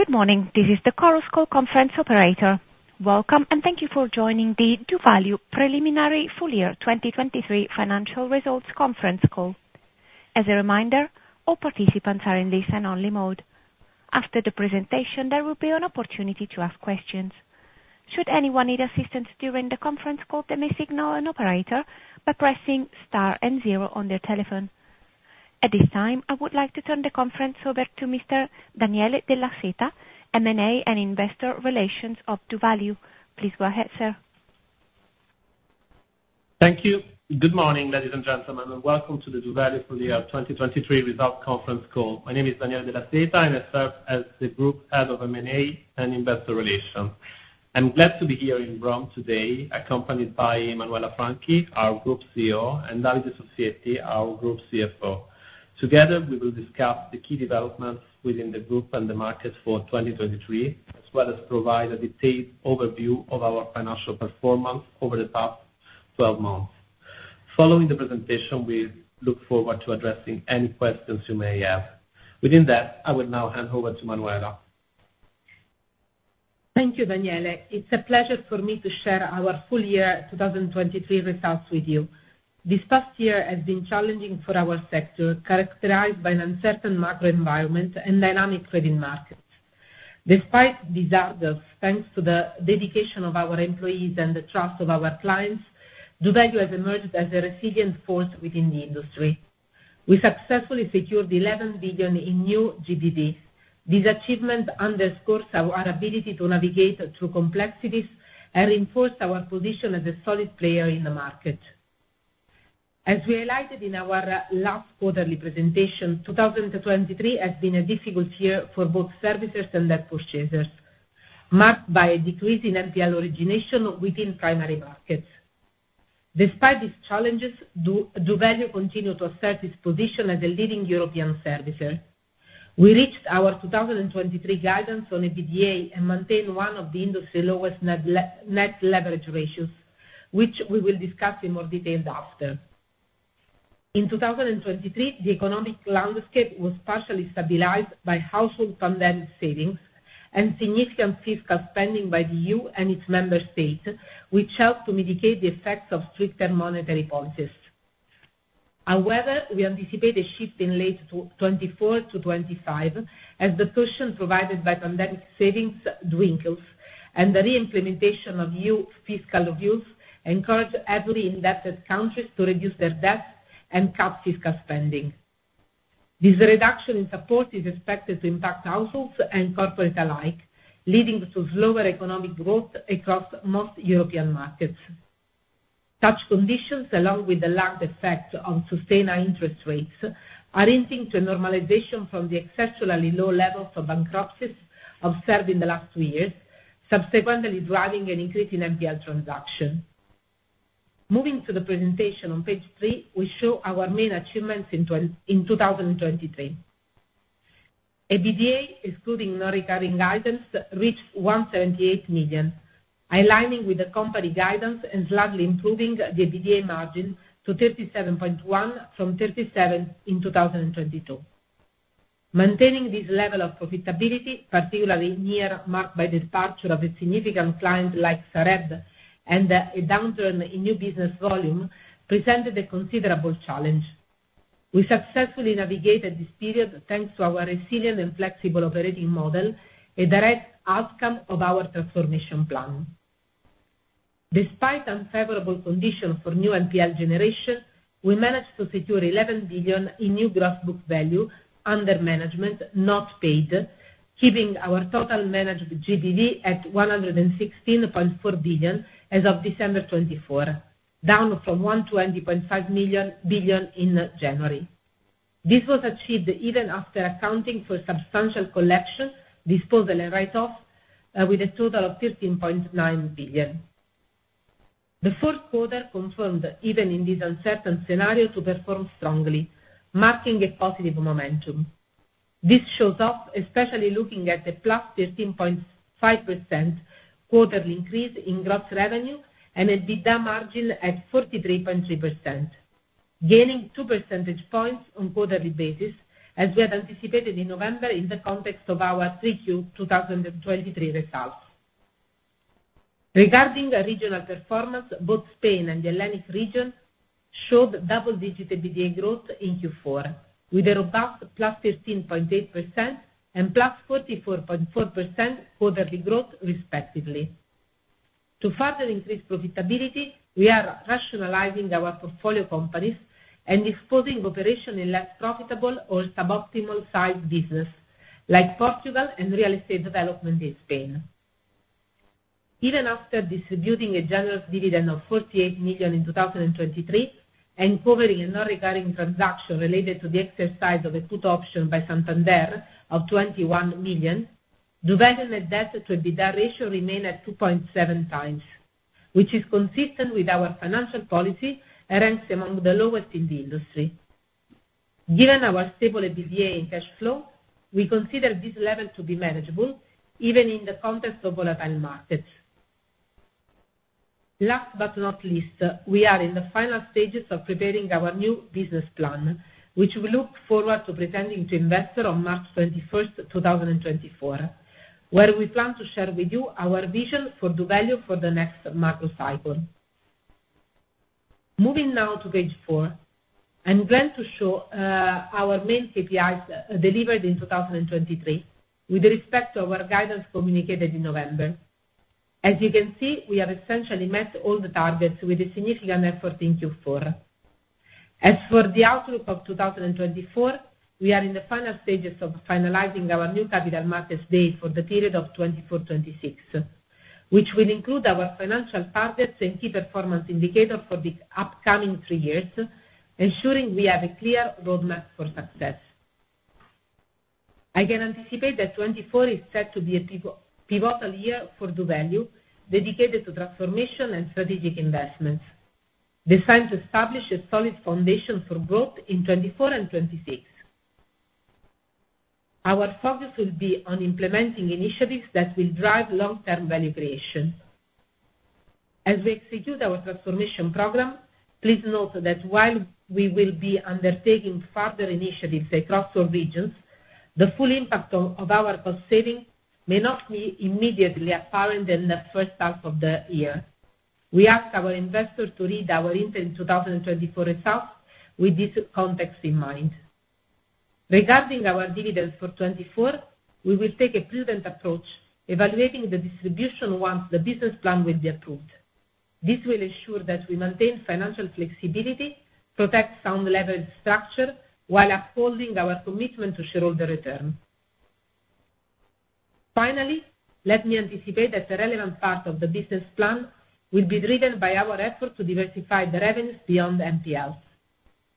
Good morning. This is the Chorus Call Conference Operator. Welcome, and thank you for joining the doValue Preliminary Full Year 2023 Financial Results Conference Call. As a reminder, all participants are in listen-only mode. After the presentation, there will be an opportunity to ask questions. Should anyone need assistance during the conference call, they may signal an operator by pressing star and zero on their telephone. At this time, I would like to turn the conference over to Mr. Daniele Della Seta, M&A and Investor Relations of doValue. Please go ahead, sir. Thank you. Good morning, ladies and gentlemen, and welcome to the doValue Full Year 2023 Results Conference Call. My name is Daniele Della Seta, and I serve as the Group Head of M&A and Investor Relations. I'm glad to be here in Rome today, accompanied by Manuela Franchi, our Group CEO, and Davide Soffietti, our Group CFO. Together, we will discuss the key developments within the group and the market for 2023, as well as provide a detailed overview of our financial performance over the past 12 months. Following the presentation, we look forward to addressing any questions you may have. Within that, I will now hand over to Manuela. Thank you, Daniele. It's a pleasure for me to share our full year 2023 results with you. This past year has been challenging for our sector, characterized by an uncertain macro environment and dynamic trading markets. Despite the stressors, thanks to the dedication of our employees and the trust of our clients, doValue has emerged as a resilient force within the industry. We successfully secured 11 billion in new GBV. This achievement underscores our ability to navigate through complexities and reinforce our position as a solid player in the market. As we highlighted in our last quarterly presentation, 2023 has been a difficult year for both services and debt purchasers, marked by a decrease in NPL origination within primary markets. Despite these challenges, doValue continues to assert its position as a leading European servicer. We reached our 2023 guidance on EBITDA and maintain one of the industry lowest net leverage ratios, which we will discuss in more detail after. In 2023, the economic landscape was partially stabilized by household funded savings and significant fiscal spending by the EU and its member states, which helped to mitigate the effects of stricter monetary policies. However, we anticipate a shift in late 2024 to 2025, as the cushion provided by pandemic savings dwindles and the reimplementation of new fiscal rules encourages every indebted country to reduce their debts and cut fiscal spending. This reduction in support is expected to impact households and corporates alike, leading to slower economic growth across most European markets. Such conditions, along with the lagged effect on sustained interest rates, are hinting to a normalization from the exceptionally low levels of bankruptcies observed in the last two years, subsequently driving an increase in NPL transactions. Moving to the presentation on page 3, we show our main achievements in 2023. EBITDA, excluding non-recurring guidance, reached 178 million, aligning with the company guidance and slightly improving the EBITDA margin to 37.1% from 37% in 2022. Maintaining this level of profitability, particularly marked by the departure of a significant client like Sareb and a downturn in new business volume, presented a considerable challenge. We successfully navigated this period thanks to our resilient and flexible operating model, a direct outcome of our transformation plan. Despite unfavorable conditions for new NPL generation, we managed to secure 11 billion in new gross book value under management, NPL, keeping our total managed GBV at 116.4 billion as of December 2023, down from 120.5 billion in January. This was achieved even after accounting for substantial collection, disposal, and write-off with a total of 13.9 billion. The fourth quarter confirmed, even in this uncertain scenario, to perform strongly, marking a positive momentum. This shows our, especially looking at the +13.5% quarterly increase in gross revenue and an EBITDA margin at 43.3%, gaining two percentage points on a quarterly basis, as we had anticipated in November in the context of our 3Q 2023 results. Regarding regional performance, both Spain and the Hellenic region showed double-digit EBITDA growth in Q4, with a robust +13.8% and +44.4% quarterly growth, respectively. To further increase profitability, we are rationalizing our portfolio companies and disposing of operations in less profitable or suboptimal-sized businesses, like Portugal and real estate development in Spain. Even after distributing a generous dividend of 48 million in 2023 and covering a non-recurring transaction related to the exercise of a put option by Santander of 21 million, doValue net debt to EBITDA ratio remained at 2.7 times, which is consistent with our financial policy and ranks among the lowest in the industry. Given our stable EBITDA in cash flow, we consider this level to be manageable, even in the context of volatile markets. Last but not least, we are in the final stages of preparing our new business plan, which we look forward to presenting to investors on March 21st, 2024, where we plan to share with you our vision for doValue for the next macro cycle. Moving now to page four, I'm glad to show our main KPIs delivered in 2023 with respect to our guidance communicated in November. As you can see, we have essentially met all the targets with a significant effort in Q4. As for the outlook of 2024, we are in the final stages of finalizing our new Capital Markets Day for the period of 2024-2026, which will include our financial targets and key performance indicators for the upcoming three years, ensuring we have a clear roadmap for success. I can anticipate that 2024 is set to be a pivotal year for doValue, dedicated to transformation and strategic investments, designed to establish a solid foundation for growth in 2024 and 2026. Our focus will be on implementing initiatives that will drive long-term value creation. As we execute our transformation program, please note that while we will be undertaking further initiatives across all regions, the full impact of our cost savings may not be immediately apparent in the first half of the year. We ask our investors to read our interim 2024 results with this context in mind. Regarding our dividends for 2024, we will take a prudent approach, evaluating the distribution once the business plan will be approved. This will ensure that we maintain financial flexibility, protect sound leverage structure, while upholding our commitment to shareholder return. Finally, let me anticipate that a relevant part of the business plan will be driven by our effort to diversify the revenues beyond NPLs.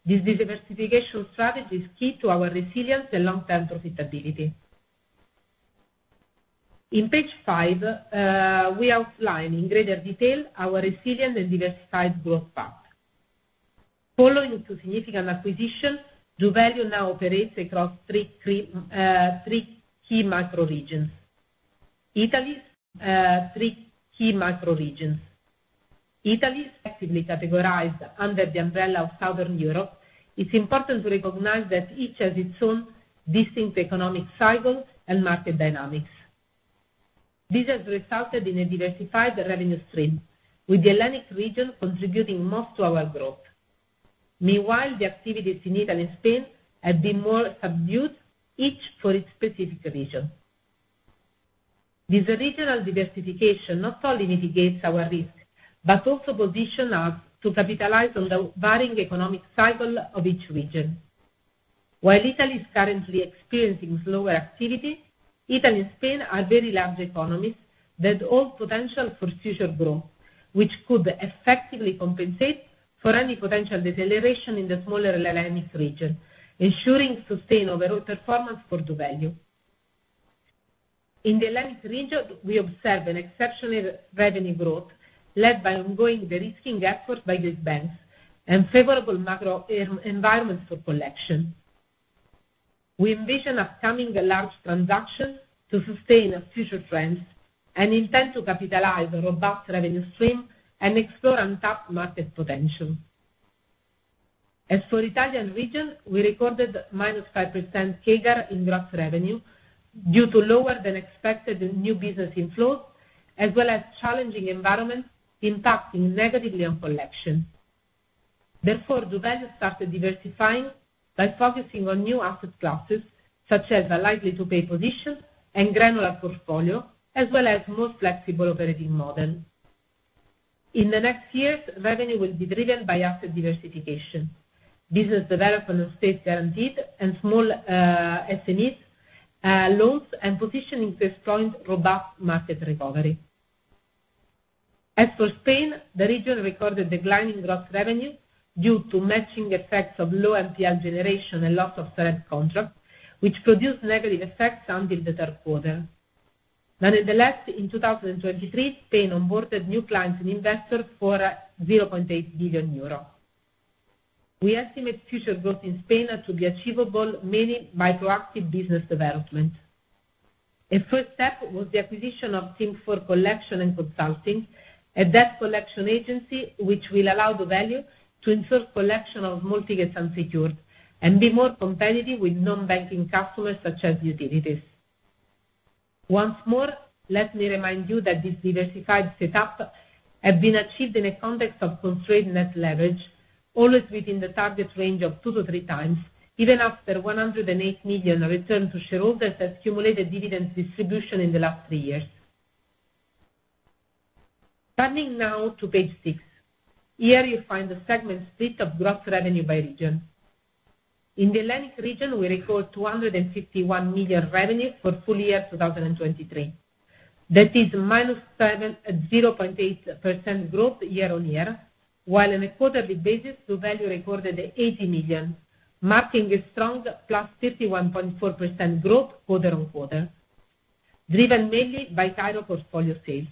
This diversification strategy is key to our resilience and long-term profitability. In page 5, we outline in greater detail our resilient and diversified growth path. Following two significant acquisitions, doValue now operates across three key macro regions. Activities categorized under the umbrella of Southern Europe, it's important to recognize that each has its own distinct economic cycle and market dynamics. This has resulted in a diversified revenue stream, with the Hellenic region contributing most to our growth. Meanwhile, the activities in Italy and Spain have been more subdued, each for its specific region. This regional diversification not only mitigates our risk but also positions us to capitalize on the varying economic cycle of each region. While Italy is currently experiencing slower activity, Italy and Spain are very large economies that hold potential for future growth, which could effectively compensate for any potential deceleration in the smaller Hellenic region, ensuring sustained overall performance for doValue. In the Hellenic region, we observe an exceptional revenue growth led by ongoing derisking efforts by these banks and favorable macro environments for collection. We envision upcoming large transactions to sustain future trends and intend to capitalize on a robust revenue stream and explore untapped market potential. As for the Italian region, we recorded minus 5% CAGR in gross revenue due to lower-than-expected new business inflows, as well as challenging environments impacting negatively on collection. Therefore, doValue started diversifying by focusing on new asset classes, such as an unlikely-to-pay position and granular portfolio, as well as a more flexible operating model. In the next years, revenue will be driven by asset diversification, business development and state-guaranteed, and small SMEs' loans and positioning to exploit robust market recovery. As for Spain, the region recorded declining gross revenue due to matching effects of low NPL generation and loss of Sareb contracts, which produced negative effects until the third quarter. Nonetheless, in 2023, Spain onboarded new clients and investors for 0.8 billion euro. We estimate future growth in Spain to be achievable mainly by proactive business development. A first step was the acquisition of Team4 Collection & Consulting, a debt collection agency which will allow doValue to insert collection of mortgages unsecured and be more competitive with non-banking customers such as utilities. Once more, let me remind you that this diversified setup has been achieved in the context of constrained net leverage, always within the target range of two to three times, even after 108 million return to shareholders has cumulated dividend distribution in the last three years. Turning now to page six. Here, you find the segment split of gross revenue by region. In the Hellenic region, we record 251 million revenue for full year 2023. That is -7.0% growth year-on-year, while on a quarterly basis, doValue recorded 80 million, marking a strong +31.4% growth quarter-on-quarter, driven mainly by Cairo portfolio sales.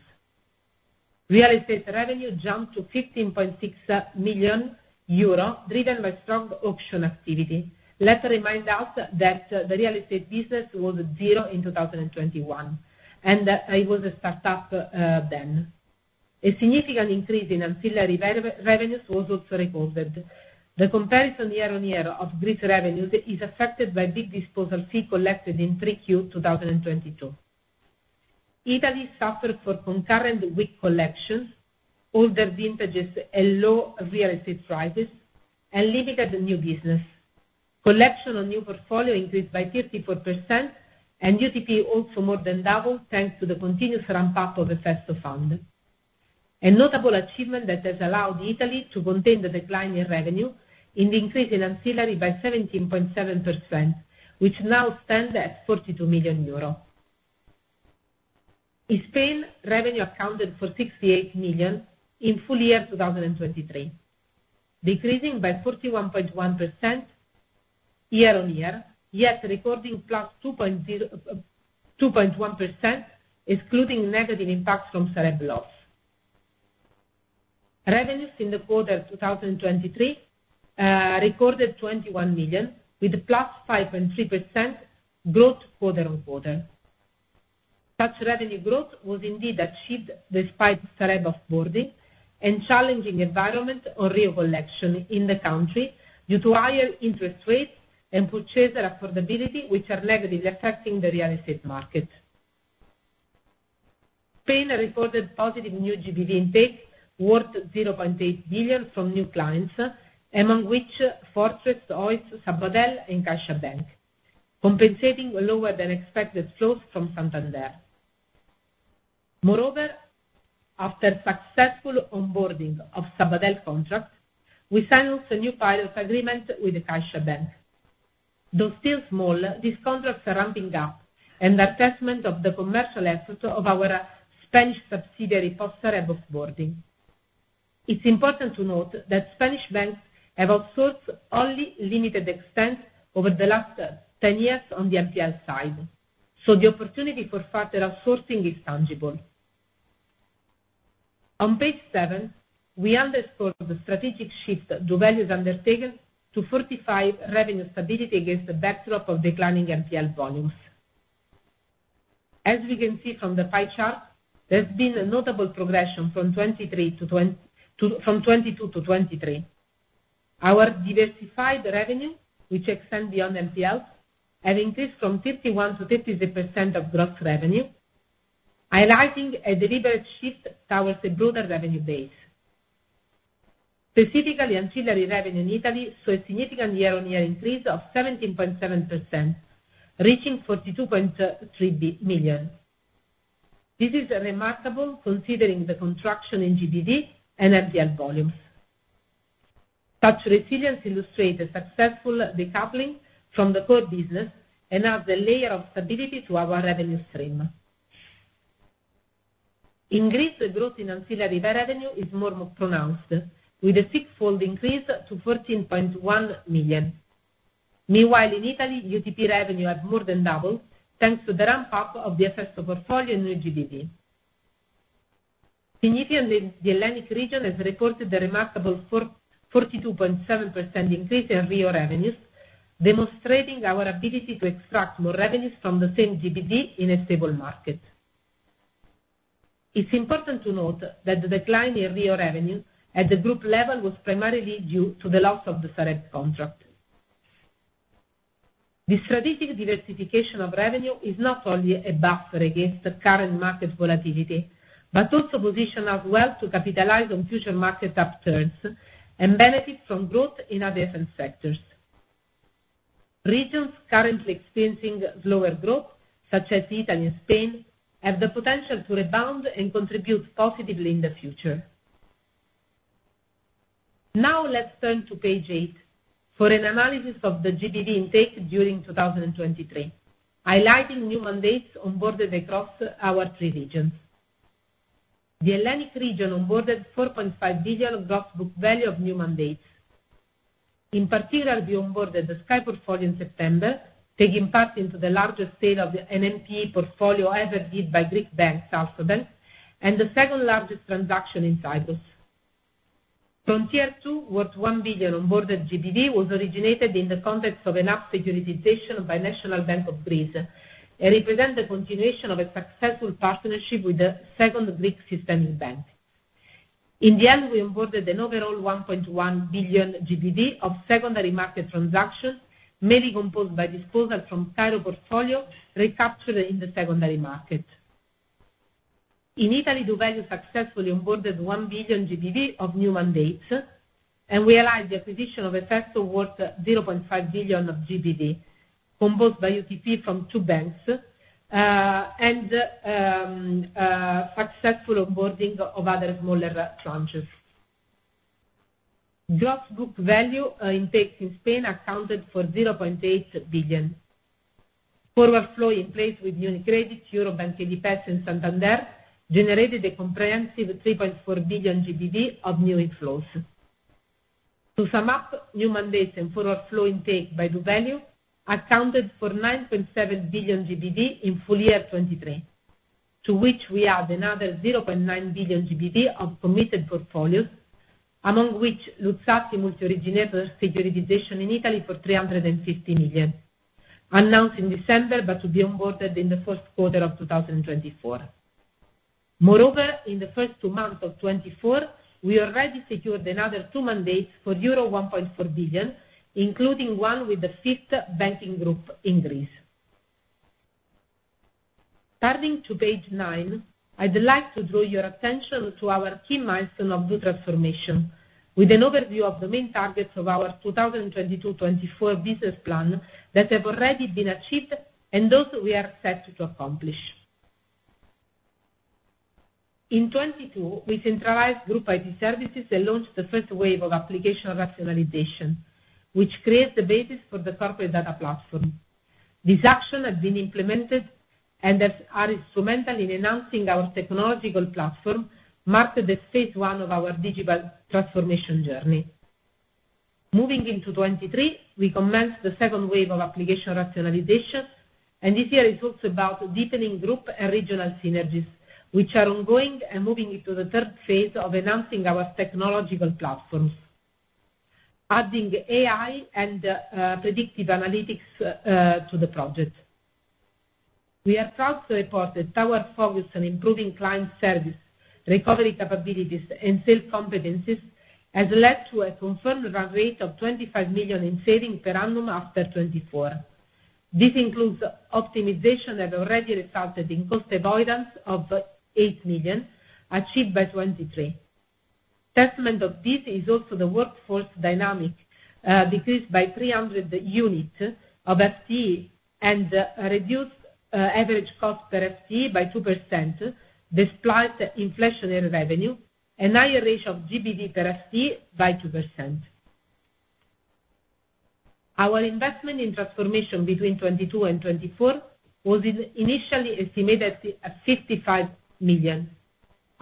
Real estate revenue jumped to 15.6 million euro driven by strong auction activity. Let's remind us that the real estate business was zero in 2021, and it was a startup then. A significant increase in ancillary revenues was also recorded. The comparison year-on-year of Greece revenues is affected by big disposal fee collected in 3Q 2022. Italy suffered from concurrent weak collections, older vintages, and low real estate prices, and limited new business. Collections on new portfolios increased by 34%, and UTP also more than doubled thanks to the continuous ramp-up of Efesto Fund, a notable achievement that has allowed Italy to contain the decline in revenue with the increase in ancillary by 17.7%, which now stands at 42 million euro. In Spain, revenues accounted for 68 million in full year 2023, decreasing by 41.1% year-on-year, yet recording +2.1% excluding negative impacts from Sareb loss. Revenues in the quarter 2023 recorded 21 million, with +5.3% growth quarter-on-quarter. Such revenue growth was indeed achieved despite Sareb offboarding and challenging environments on real collections in the country due to higher interest rates and purchaser affordability, which are negatively affecting the real estate market. Spain recorded positive new GBV intake, worth 0.8 billion, from new clients, among which Fortress, EOS, Sabadell, and CaixaBank, compensating lower-than-expected flows from Santander. Moreover, after successful onboarding of Sabadell contracts, we signed also a new pilot agreement with CaixaBank. Though still small, these contracts are ramping up and are testament to the commercial efforts of our Spanish subsidiary post-Sareb offboarding. It's important to note that Spanish banks have outsourced only limited extent over the last 10 years on the NPL side, so the opportunity for further outsourcing is tangible. On page 7, we underscore the strategic shift doValue has undertaken to fortify revenue stability against the backdrop of declining NPL volumes. As we can see from the pie chart, there has been notable progression from 2022 to 2023. Our diversified revenue, which extends beyond NPLs, has increased from 31% to 33% of gross revenue, highlighting a deliberate shift towards a broader revenue base. Specifically, ancillary revenue in Italy saw a significant year-on-year increase of 17.7%, reaching 42.3 million. This is remarkable considering the contraction in GBV and NPL volumes. Such resilience illustrates a successful decoupling from the core business and adds a layer of stability to our revenue stream. In Greece, the growth in ancillary revenue is more pronounced, with a six-fold increase to 14.1 million. Meanwhile, in Italy, UTP revenue has more than doubled thanks to the ramp-up of the Efesto portfolio in new GBV. Significantly, the Hellenic region has reported a remarkable 42.7% increase in real revenues, demonstrating our ability to extract more revenues from the same GBV in a stable market. It's important to note that the decline in real revenue at the group level was primarily due to the loss of the Sareb contract. This strategic diversification of revenue is not only a buffer against current market volatility but also positions us well to capitalize on future market upturns and benefit from growth in other asset sectors. Regions currently experiencing slower growth, such as Italy and Spain, have the potential to rebound and contribute positively in the future. Now, let's turn to page 8 for an analysis of the GBV intake during 2023, highlighting new mandates onboarded across our three regions. The Hellenic region onboarded 4.5 billion of gross book value of new mandates. In particular, we onboarded the Sky portfolio in September, taking part in the largest sale of an NPE portfolio ever did by Greek banks, Alpha Bank, and the second-largest transaction in Cyprus. Frontier II, worth 1 billion onboarded GBV, was originated in the context of an HAPS securitization by the National Bank of Greece and represents a continuation of a successful partnership with the second Greek systemic bank. In the end, we onboarded an overall 1.1 billion GBV of secondary market transactions, mainly composed by disposal from Cairo portfolio recaptured in the secondary market. In Italy, doValue successfully onboarded 1 billion GBV of new mandates, and we highlight the acquisition of Efesto worth 0.5 billion of GBV, composed by UTP from two banks, and successful onboarding of other smaller branches. Gross book value intakes in Spain accounted for 0.8 billion. Forward flow in place with UniCredit, Eurobank, and KEDIPES and Santander generated a comprehensive 3.4 billion GBV of new inflows. To sum up, new mandates and forward flow intake by doValue accounted for 9.7 billion GBV in full year 2023, to which we add another 0.9 billion GBV of committed portfolios, among which Luzzatti multi-originator securitization in Italy for 350 million, announced in December but to be onboarded in the first quarter of 2024. Moreover, in the first two months of 2024, we already secured another two mandates for euro 1.4 billion, including one with the fifth banking group in Greece. Turning to page nine, I'd like to draw your attention to our key milestone of doTransformation, with an overview of the main targets of our 2022-2024 business plan that have already been achieved and those we are set to accomplish. In 2022, we centralized group IT services and launched the first wave of application rationalization, which creates the basis for the corporate data platform. This action has been implemented and is instrumental in announcing our technological platform marked as phase one of our digital transformation journey. Moving into 2023, we commenced the second wave of application rationalization, and this year is also about deepening group and regional synergies, which are ongoing and moving into the third phase of announcing our technological platforms, adding AI and predictive analytics to the project. We have also reported that our focus on improving client service, recovery capabilities, and sales competencies has led to a confirmed run rate of 25 million in savings per annum after 2024. This includes optimization that already resulted in cost avoidance of 8 million, achieved by 2023. Testament of this is also the workforce dynamic decreased by 300 units of FTE and reduced average cost per FTE by 2%, despite inflationary revenue, and higher ratio of GBV per FTE by 2%. Our investment in transformation between 2022 and 2024 was initially estimated at 55 million.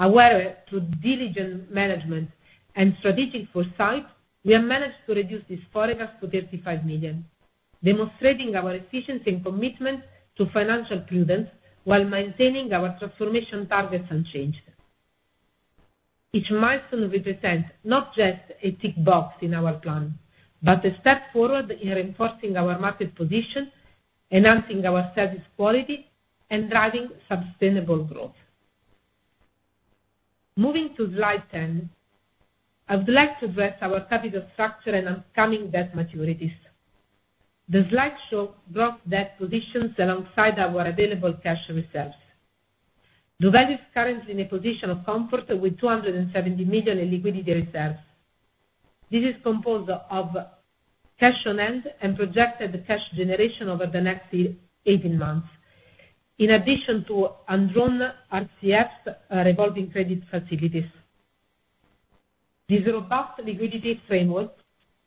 Aware of diligent management and strategic foresight, we have managed to reduce this forecast to 35 million, demonstrating our efficiency and commitment to financial prudence while maintaining our transformation targets unchanged. Each milestone represents not just a tick box in our plan but a step forward in reinforcing our market position, enhancing our service quality, and driving sustainable growth. Moving to slide 10, I would like to address our capital structure and upcoming debt maturities. The slide shows gross debt positions alongside our available cash reserves. doValue is currently in a position of comfort with 270 million in liquidity reserves. This is composed of cash on hand and projected cash generation over the next 18 months, in addition to undrawn RCFs, revolving credit facilities. This robust liquidity framework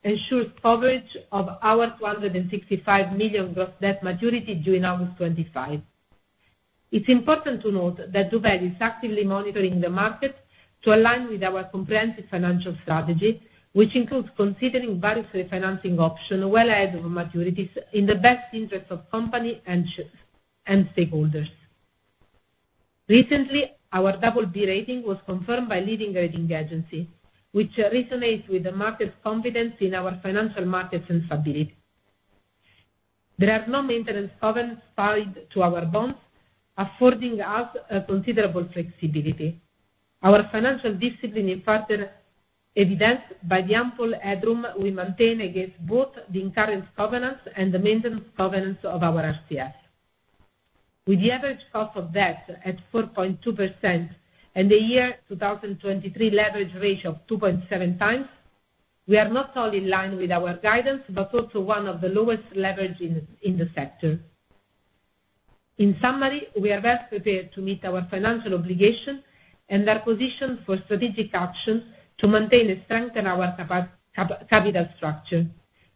ensures coverage of our 265 million gross debt maturity during August 2025. It's important to note that doValue is actively monitoring the market to align with our comprehensive financial strategy, which includes considering various refinancing options well ahead of maturities in the best interests of company and stakeholders. Recently, our BB rating was confirmed by a leading rating agency, which resonates with the market's confidence in our financial markets and stability. There are no maintenance covenants tied to our bonds, affording us considerable flexibility. Our financial discipline is further evidenced by the ample headroom we maintain against both the incurrence covenants and the maintenance covenants of our RCF. With the average cost of debt at 4.2% and a year 2023 leverage ratio of 2.7x, we are not only in line with our guidance but also one of the lowest leveraged in the sector. In summary, we are best prepared to meet our financial obligation and our position for strategic action to maintain and strengthen our capital structure.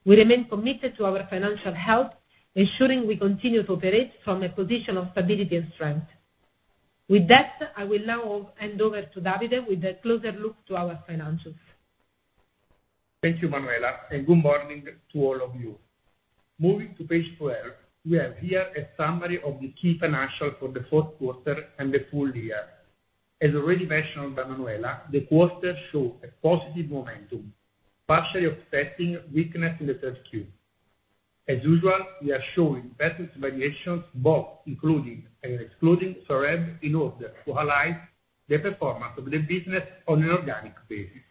We remain committed to our financial health, ensuring we continue to operate from a position of stability and strength. With that, I will now hand over to Davide with a closer look to our financials. Thank you, Manuela, and good morning to all of you. Moving to page 12, we have here a summary of the key financials for the fourth quarter and the full year. As already mentioned by Manuela, the quarters show a positive momentum, partially offsetting weakness in the third Q. As usual, we are showing patterns of variations both including and excluding Sareb in order to highlight the performance of the business on an organic basis.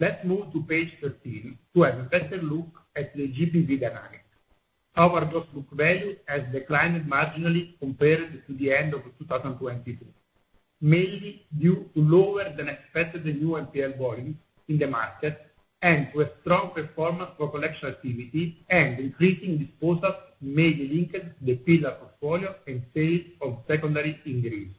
Let's move to page 13 to have a better look at the GBV dynamic. Our gross book value has declined marginally compared to the end of 2022, mainly due to lower-than-expected new NPL volumes in the market and to a strong performance for collection activity and increasing disposals mainly linked to the Cairo portfolio and sales of secondary in Greece.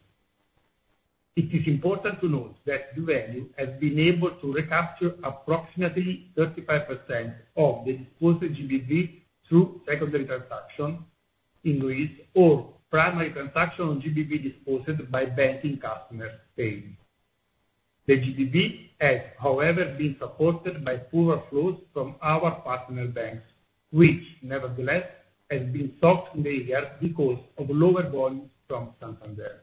It is important to note that doValue has been able to recapture approximately 35% of the disposed GBV through secondary transactions in Greece or primary transactional GBV disposed by banking customers in Spain. The GBV has, however, been supported by poorer flows from our partner banks, which, nevertheless, has been softened this year because of lower volumes from Santander.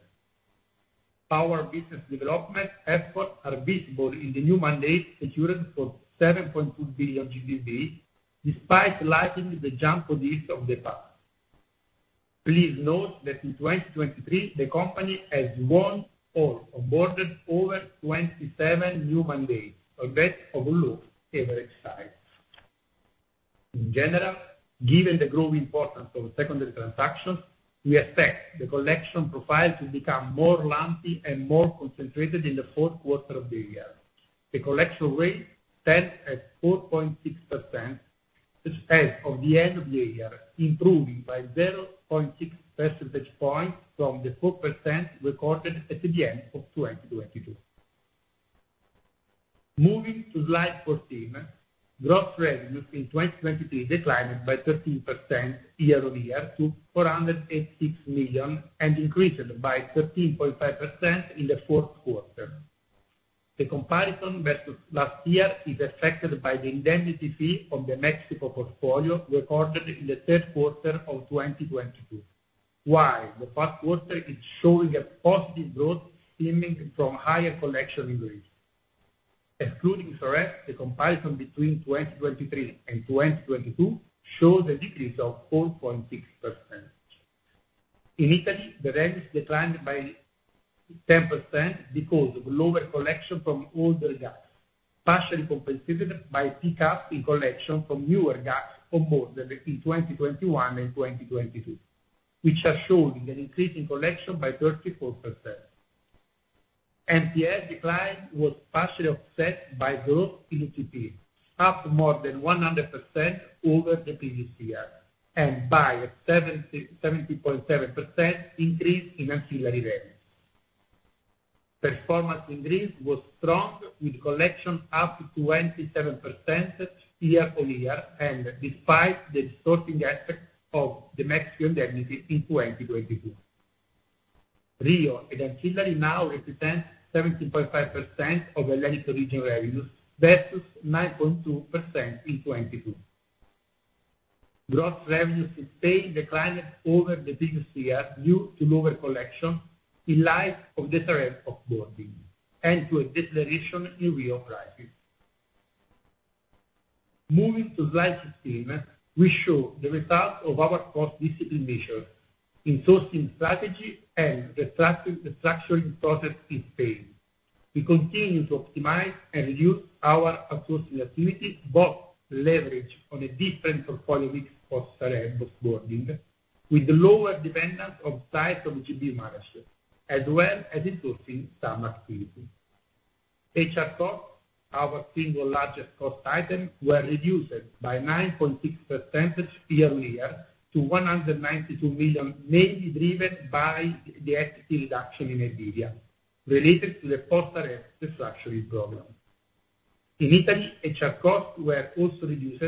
Our business development efforts are visible in the new mandates secured for 7.2 billion GBV, despite lacking the jump on this of the past. Please note that in 2023, the company has won or onboarded over 27 new mandates on that lower average size. In general, given the growing importance of secondary transactions, we expect the collection profile to become more lumpy and more concentrated in the fourth quarter of the year. The collection rate stands at 4.6%, as of the end of the year, improving by 0.6 percentage points from the 4% recorded at the end of 2022. Moving to slide 14, gross revenues in 2023 declined by 13% year-on-year to 486 million and increased by 13.5% in the fourth quarter. The comparison versus last year is affected by the indemnity fee on the Mexico portfolio recorded in the third quarter of 2022, while the past quarter is showing a positive growth stemming from higher collection in Greece. Excluding Sareb, the comparison between 2023 and 2022 shows a decrease of 4.6%. In Italy, the revenues declined by 10% because of lower collection from older GACS, partially compensated by a pickup in collection from newer GACS onboarded in 2021 and 2022, which are showing an increase in collection by 34%. NPL decline was partially offset by growth in UTP, up more than 100% over the previous year and by a 70.7% increase in ancillary revenues. Performance in Greece was strong, with collection up to 27% year-on-year and despite the distorting aspects of the Mexican indemnity in 2022. REO and ancillary now represent 17.5% of Hellenic region revenues versus 9.2% in 2022. Gross revenues in Spain declined over the previous year due to lower collection in light of the Sareb onboarding and to a deceleration in REO prices. Moving to slide 16, we show the results of our cost discipline measures in sourcing strategy and restructuring process in Spain. We continue to optimize and reduce our outsourcing activity both leveraged on a different portfolio mix for Sareb onboarding, with lower dependence on size of GBV managers, as well as in sourcing some activity. HR costs, our single largest cost item, were reduced by 9.6% year-on-year to 192 million, mainly driven by the FTE reduction in ERE related to the post-Sareb restructuring program. In Italy, HR costs were also reduced,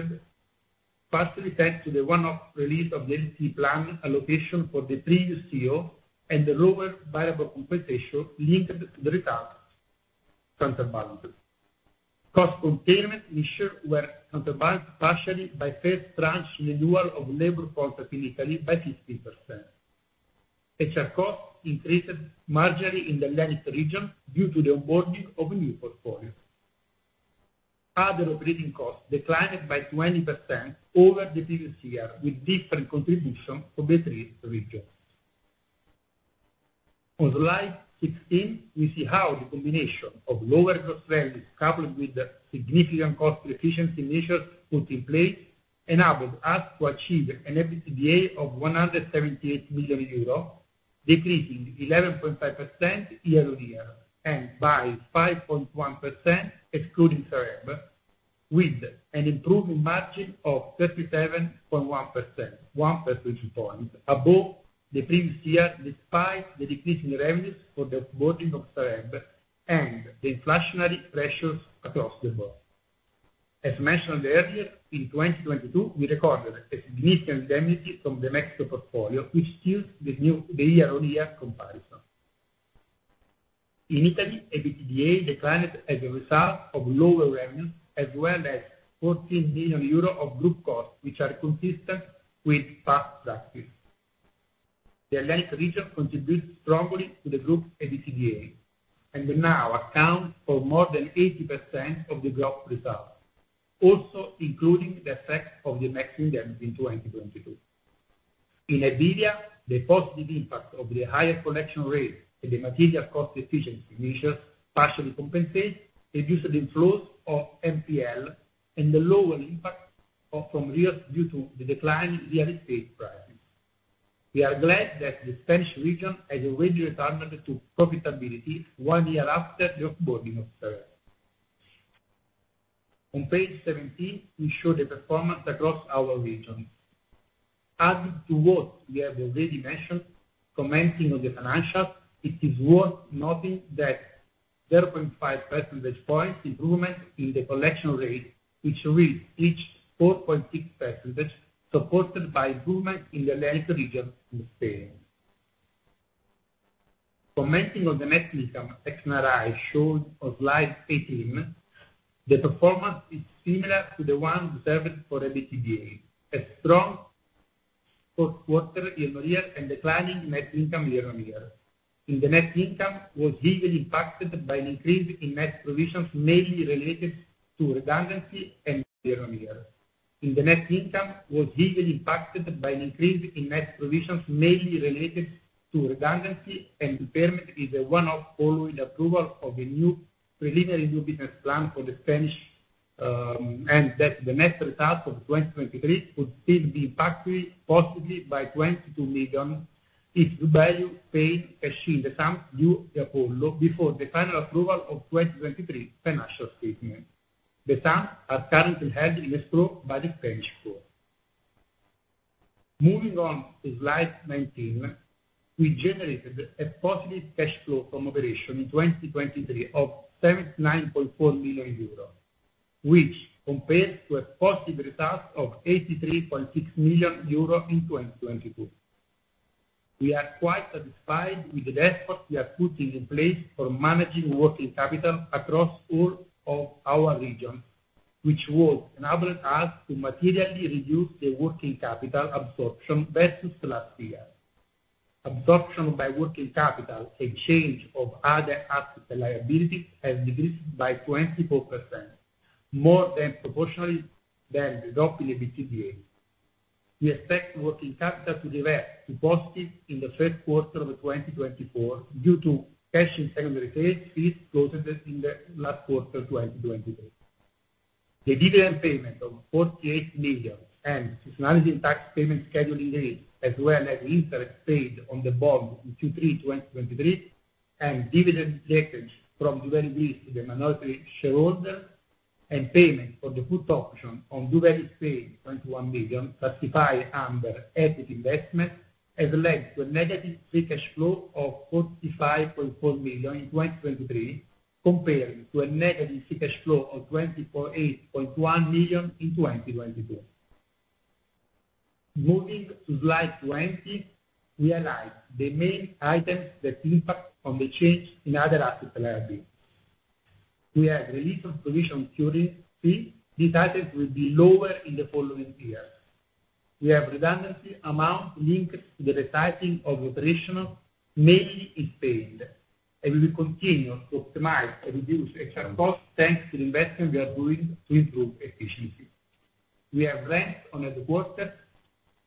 partially thanks to the one-off release of the LTIP allocation for the previous CEO and the lower variable compensation linked to the results counterbalanced. Cost containment measures were counterbalanced partially by first tranche renewal of labor contract in Italy by 15%. HR costs increased marginally in the Hellenic region due to the onboarding of a new portfolio. Other operating costs declined by 20% over the previous year with different contributions from the three regions. On slide 16, we see how the combination of lower gross revenues coupled with significant cost efficiency measures put in place enabled us to achieve an EBITDA of 178 million euros, decreasing 11.5% year-on-year and by 5.1% excluding Sareb, with an improving margin of 37.1%, one percentage point above the previous year despite the decrease in revenues for the onboarding of Sareb and the inflationary pressures across the board. As mentioned earlier, in 2022, we recorded a significant indemnity from the Mexico portfolio, which steals the year-on-year comparison. In Italy, EBITDA declined as a result of lower revenues as well as 14 million euros of group costs, which are consistent with past practices. The Hellenic region contributes strongly to the group EBITDA and now accounts for more than 80% of the gross results, also including the effects of the Mexican indemnity in 2022. In Italy, the positive impact of the higher collection rate and the material cost efficiency measures partially compensate, reducing the inflows of NPL and the lower impact from REOs due to the declining real estate prices. We are glad that the Spanish region has already returned to profitability one year after the onboarding of Sareb. On page 17, we show the performance across our regions. Adding to what we have already mentioned, commenting on the financials, it is worth noting that 0.5 percentage points improvement in the collection rate, which reached 4.6%, supported by improvement in the Hellenic region in Spain. Commenting on the net income XNRI shown on slide 18, the performance is similar to the one observed for EBITDA, a strong fourth quarter year-on-year and declining net income year-on-year. In the net income, it was heavily impacted by an increase in net provisions mainly related to redundancy and year-on-year. Repayment is a one-off following approval of a preliminary new business plan for Spain, and that's why the next results of 2023 would still be impacted positively by 22 million if doValue Spain receives the sum due to Apollo before the final approval of 2023 financial statements. The sums are currently held in escrow by the Spanish court. Moving on to slide 19, we generated a positive cash flow from operation in 2023 of 79.4 million euros, which compares to a positive result of 83.6 million euros in 2022. We are quite satisfied with the efforts we are putting in place for managing working capital across all of our regions, which would enable us to materially reduce the working capital absorption versus last year. Absorption by working capital and change of other assets and liabilities has decreased by 24%, more than proportionally than the drop in EBITDA. We expect working capital to revert to positive in the third quarter of 2024 due to cash in secondary sales fees closed in the last quarter of 2023. The dividend payment of 48 million and personal tax payment schedule increase, as well as interest paid on the bond in Q3 2023 and dividend decrease from doValue Greece to the minority shareholder and payment for the put option on doValue Spain 21 million classified under equity investment has led to a negative free cash flow of 45.4 million in 2023, comparing to a negative free cash flow of 248.1 million in 2022. Moving to slide 20, we highlight the main items that impact on the change in other assets and liabilities. We have release of provision curing fee. These items will be lower in the following years. We have redundancy amount linked to the resizing of operations, mainly in Spain, and we will continue to optimize and reduce HR costs thanks to the investment we are doing to improve efficiency. We have rents on a quarter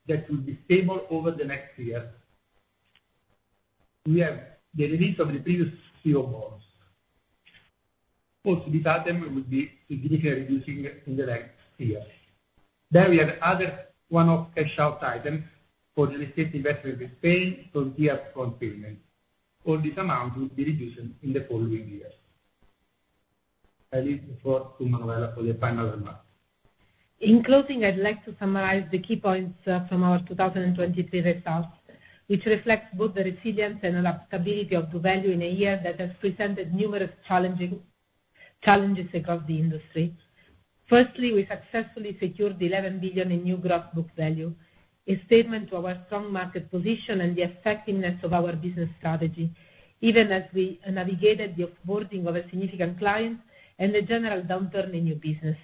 that will be stable over the next year. We have the release of the previous CEO bonds. Both of these items will be significantly reducing in the next year. Then we have other one-off cash-out items for real estate investment in Spain for Tierra fund payments. All these amounts will be reduced in the following years. I leave the floor to Manuela for the final remarks. In closing, I'd like to summarize the key points from our 2023 results, which reflect both the resilience and adaptability of doValue in a year that has presented numerous challenges across the industry. Firstly, we successfully secured 11 billion in new gross book value, a statement to our strong market position and the effectiveness of our business strategy, even as we navigated the onboarding of a significant client and the general downturn in new business.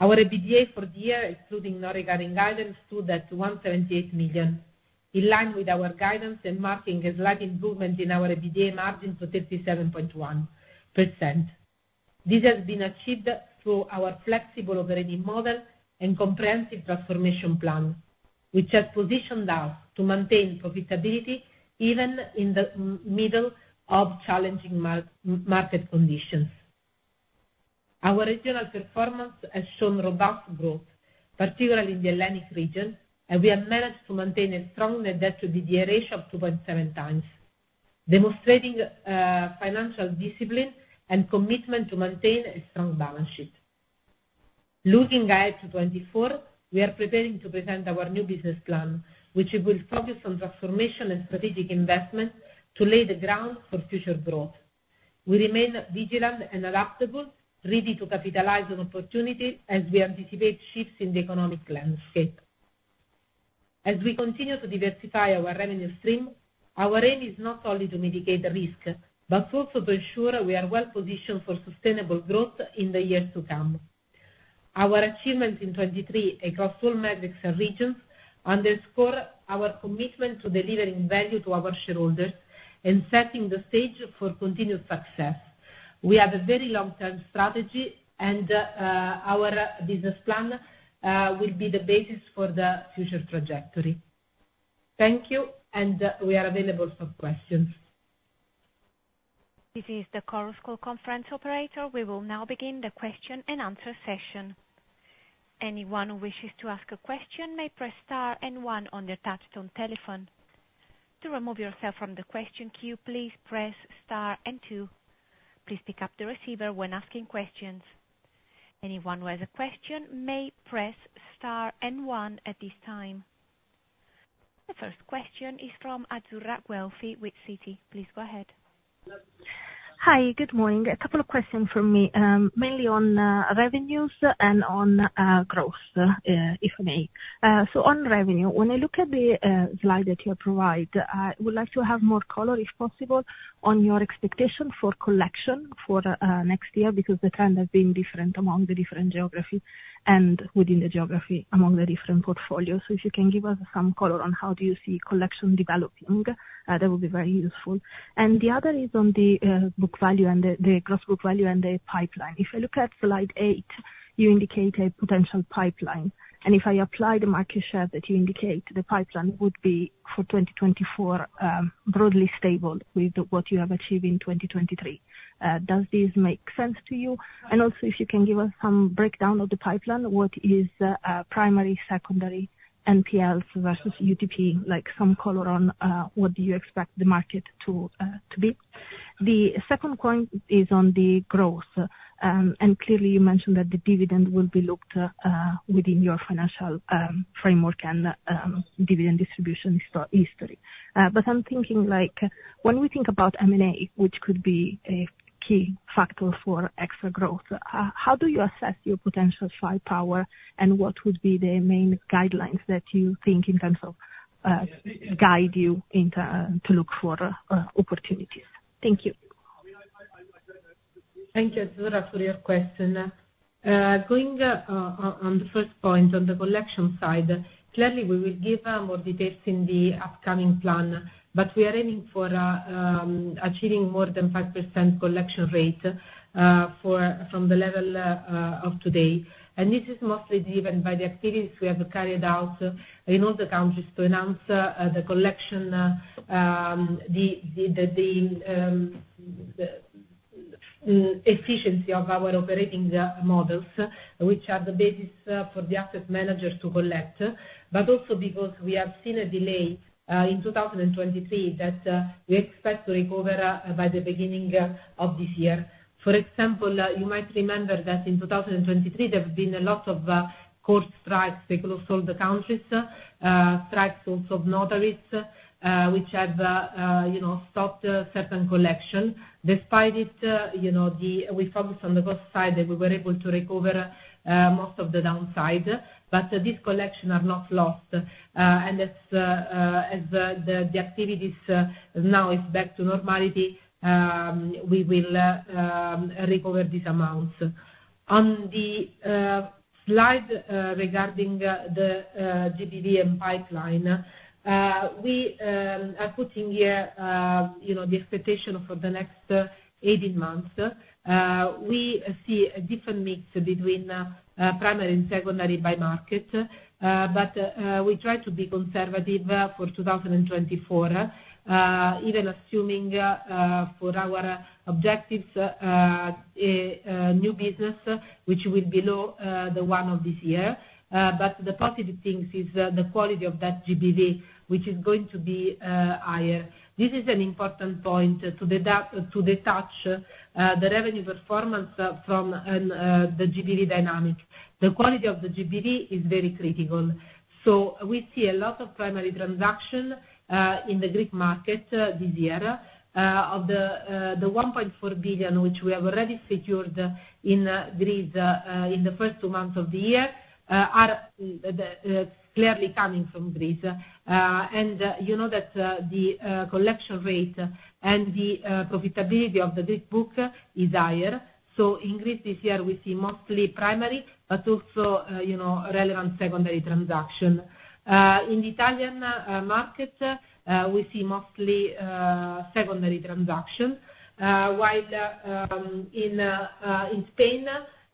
Our EBITDA for the year, excluding non-recurring regarding guidance, stood at 178 million, in line with our guidance and marking a slight improvement in our EBITDA margin to 37.1%. This has been achieved through our flexible operating model and comprehensive transformation plan, which has positioned us to maintain profitability even in the middle of challenging market conditions. Our regional performance has shown robust growth, particularly in the Hellenic region, and we have managed to maintain a strong net debt-to-EBITDA ratio of 2.7 times, demonstrating financial discipline and commitment to maintain a strong balance sheet. Looking ahead to 2024, we are preparing to present our new business plan, which will focus on transformation and strategic investment to lay the ground for future growth. We remain vigilant and adaptable, ready to capitalize on opportunity as we anticipate shifts in the economic landscape. As we continue to diversify our revenue stream, our aim is not only to mitigate risk but also to ensure we are well positioned for sustainable growth in the years to come. Our achievements in 2023 across all metrics and regions underscore our commitment to delivering value to our shareholders and setting the stage for continued success. We have a very long-term strategy, and our business plan will be the basis for the future trajectory. Thank you, and we are available for questions. This is the Chorus Call conference operator. We will now begin the question-and-answer session. Anyone who wishes to ask a question may press star and one on their touch-tone telephone. To remove yourself from the question queue, please press star and two. Please pick up the receiver when asking questions. Anyone who has a question may press star and one at this time. The first question is from Azzurra Guelfi with Citi. Please go ahead. Hi. Good morning. A couple of questions for me, mainly on revenues and on growth, if I may. So on revenue, when I look at the slide that you provide, I would like to have more color, if possible, on your expectation for collection for next year because the trend has been different among the different geography and within the geography among the different portfolios. So if you can give us some color on how do you see collection developing, that would be very useful. And the other is on the book value and the gross book value and the pipeline. If I look at slide 8, you indicate a potential pipeline. And if I apply the market share that you indicate, the pipeline would be for 2024 broadly stable with what you have achieved in 2023. Does this make sense to you? And also, if you can give us some breakdown of the pipeline, what is primary, secondary, NPLs versus UTP, some color on what do you expect the market to be? The second point is on the growth. And clearly, you mentioned that the dividend will be looked at within your financial framework and dividend distribution history. But I'm thinking when we think about M&A, which could be a key factor for extra growth, how do you assess your potential firepower and what would be the main guidelines that you think in terms of guide you to look for opportunities? Thank you. Thank you, Azzurra, for your question. Going on the first point, on the collection side, clearly, we will give more details in the upcoming plan, but we are aiming for achieving more than 5% collection rate from the level of today. This is mostly driven by the activities we have carried out in all the countries to enhance the collection efficiency of our operating models, which are the basis for the asset manager to collect, but also because we have seen a delay in 2023 that we expect to recover by the beginning of this year. For example, you might remember that in 2023, there have been a lot of court strikes across all the countries, strikes also of notaries, which have stopped certain collection. Despite it, we focused on the growth side and we were able to recover most of the downside. But these collections are not lost. And as the activities now are back to normality, we will recover these amounts. On the slide regarding the GBV pipeline, we are putting here the expectation for the next 18 months. We see a different mix between primary and secondary by market, but we try to be conservative for 2024, even assuming for our objectives, new business, which will be low the one of this year. But the positive thing is the quality of that GBV, which is going to be higher. This is an important point to detach the revenue performance from the GBV dynamic. The quality of the GBV is very critical. So we see a lot of primary transaction in the Greek market this year. Of the 1.4 billion, which we have already secured in Greece in the first two months of the year, are clearly coming from Greece. And you know that the collection rate and the profitability of the Greek book is higher. So in Greece this year, we see mostly primary but also relevant secondary transaction. In the Italian market, we see mostly secondary transaction, while in Spain,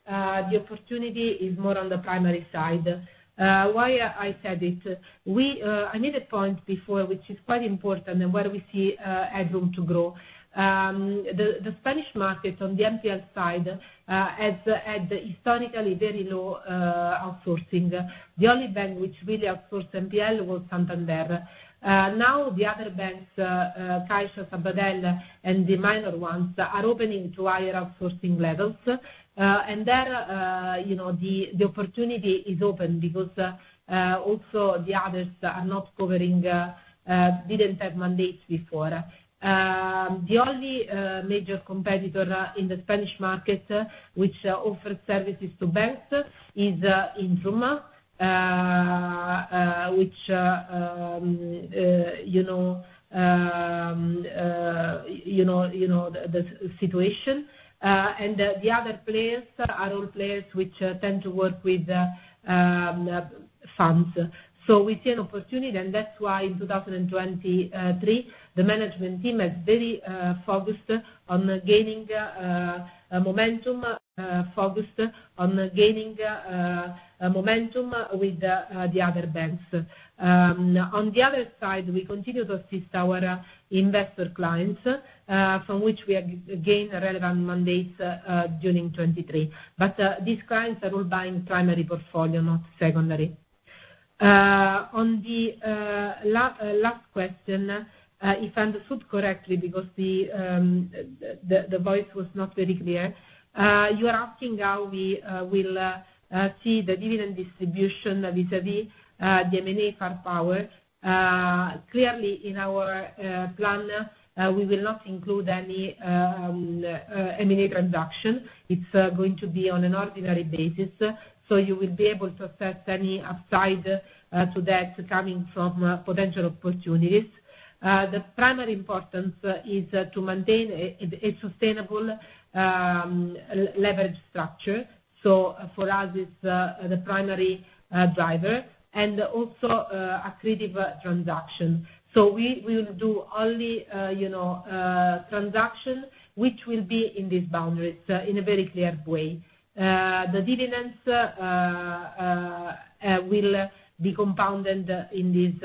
the opportunity is more on the primary side. Why I said it? I made a point before, which is quite important, and where we see headroom to grow. The Spanish market, on the NPL side, has had historically very low outsourcing. The only bank which really outsourced NPL was Santander. Now, the other banks, CaixaBank, Sabadell, and the minor ones, are opening to higher outsourcing levels. And there, the opportunity is open because also the others are not covering, didn't have mandates before. The only major competitor in the Spanish market, which offers services to banks, is Intrum, which, you know, the situation. And the other players are all players which tend to work with funds. So we see an opportunity, and that's why in 2023, the management team has very focused on gaining momentum, focused on gaining momentum with the other banks. On the other side, we continue to assist our investor clients from which we gain relevant mandates during 2023. But these clients are all buying primary portfolio, not secondary. On the last question, if I understood correctly because the voice was not very clear, you are asking how we will see the dividend distribution vis-à-vis the M&A firepower. Clearly, in our plan, we will not include any M&A transaction. It's going to be on an ordinary basis. So you will be able to assess any upside to that coming from potential opportunities. The primary importance is to maintain a sustainable leverage structure. So for us, it's the primary driver and also a creative transaction. So we will do only transaction which will be in these boundaries in a very clear way. The dividends will be compounded in these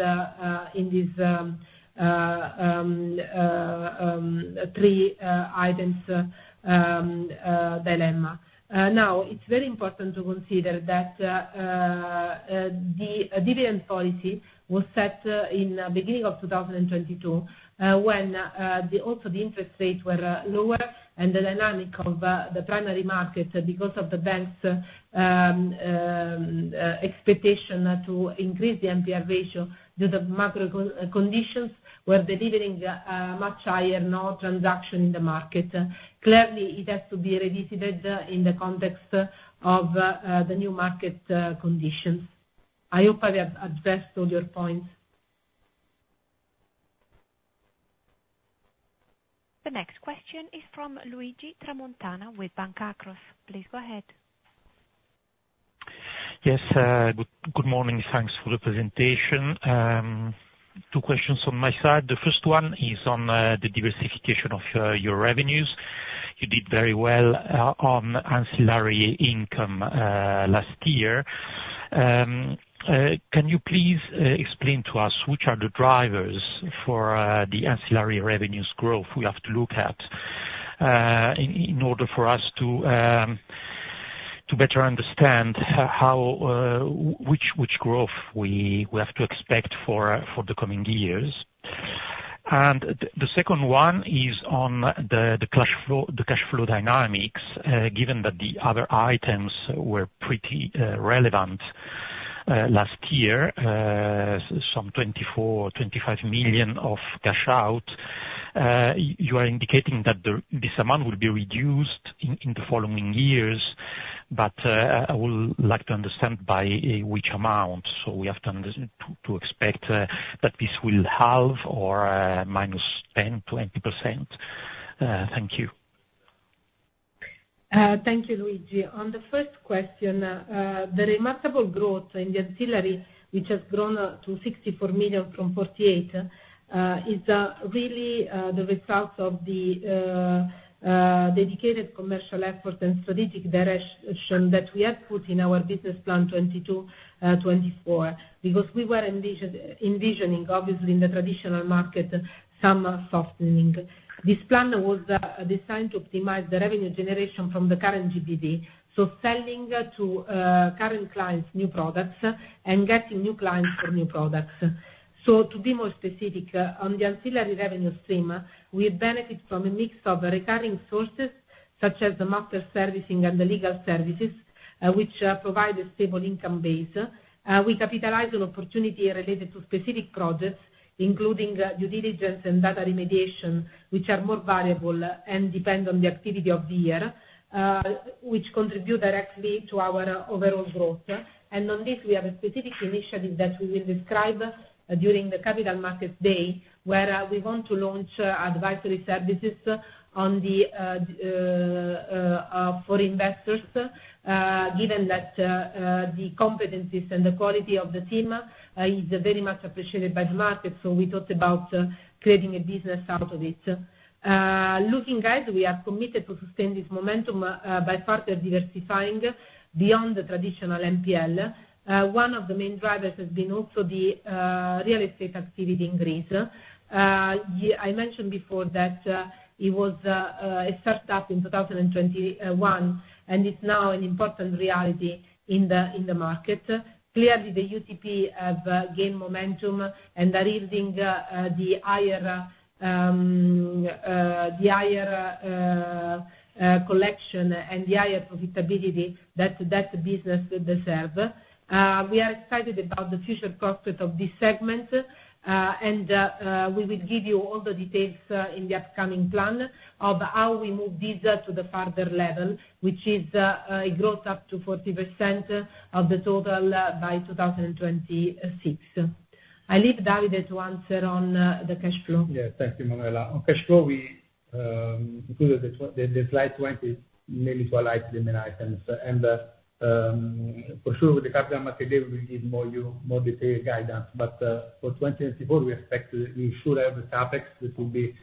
three items dilemma. Now, it's very important to consider that the dividend policy was set in the beginning of 2022 when also the interest rates were lower and the dynamic of the primary market because of the banks' expectation to increase the MPR ratio due to macro conditions were delivering much higher transaction in the market. Clearly, it has to be revisited in the context of the new market conditions. I hope I've addressed all your points. The next question is from Luigi Tramontana with Banca Akros. Please go ahead. Yes. Good morning. Thanks for the presentation. Two questions on my side. The first one is on the diversification of your revenues. You did very well on ancillary income last year. Can you please explain to us which are the drivers for the ancillary revenues growth we have to look at in order for us to better understand which growth we have to expect for the coming years? And the second one is on the cash flow dynamics. Given that the other items were pretty relevant last year, some 24-25 million of cash out, you are indicating that this amount will be reduced in the following years, but I would like to understand by which amount. So we have to expect that this will halve or minus 10%-20%. Thank you. Thank you, Luigi. On the first question, the remarkable growth in the ancillary, which has drawn to 64 million from 48 million, is really the result of the dedicated commercial efforts and strategic direction that we had put in our business plan 2022-2024 because we were envisioning, obviously, in the traditional market, some softening. This plan was designed to optimize the revenue generation from the current GBV, so selling to current clients new products and getting new clients for new products. So to be more specific, on the ancillary revenue stream, we benefit from a mix of recurring sources such as the master servicing and the legal services, which provide a stable income base. We capitalize on opportunity related to specific projects, including due diligence and data remediation, which are more variable and depend on the activity of the year, which contribute directly to our overall growth. On this, we have a specific initiative that we will describe during the Capital Markets Day where we want to launch advisory services for investors, given that the competencies and the quality of the team is very much appreciated by the market. We talked about creating a business out of it. Looking ahead, we are committed to sustain this momentum by further diversifying beyond the traditional NPL. One of the main drivers has been also the real estate activity in Greece. I mentioned before that it was a startup in 2021, and it's now an important reality in the market. Clearly, the UTP have gained momentum and are yielding the higher collection and the higher profitability that that business deserves. We are excited about the future prospect of this segment, and we will give you all the details in the upcoming plan of how we move these to the further level, which is a growth up to 40% of the total by 2026. I leave Davide to answer on the cash flow. Yeah. Thank you, Manuela. On cash flow, we included slide 20 mainly to highlight the main items. And for sure, with the Capital Markets Day, we will give more detailed guidance. But for 2024, we expect we should have the CapEx that will be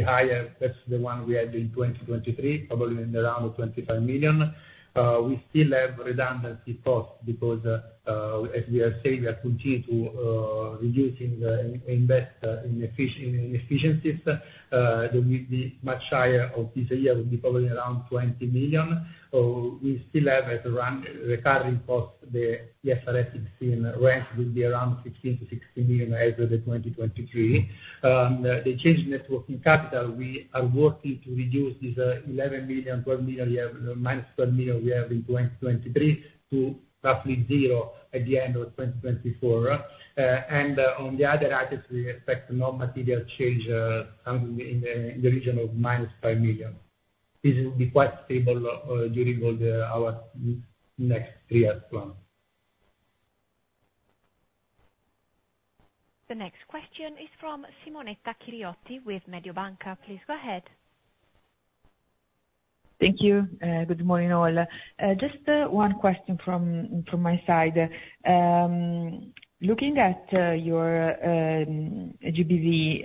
higher. That's the one we had in 2023, probably in the round of 25 million. We still have redundancy costs because, as we are saying, we are continuing to reduce and invest in efficiencies. That will be much higher of this year. It will be probably around 20 million. We still have recurring costs. The IFRS rent will be around 15 million-16 million as of 2023. The change in net working capital, we are working to reduce this 11 million, 12 million, -12 million we have in 2023 to roughly zero at the end of 2024. On the other items, we expect non-material change something in the region of -5 million. This will be quite stable during our next three-year plan. The next question is from Simonetta Chiriotti with Mediobanca. Please go ahead. Thank you. Good morning, Noel. Just one question from my side. Looking at your GBV,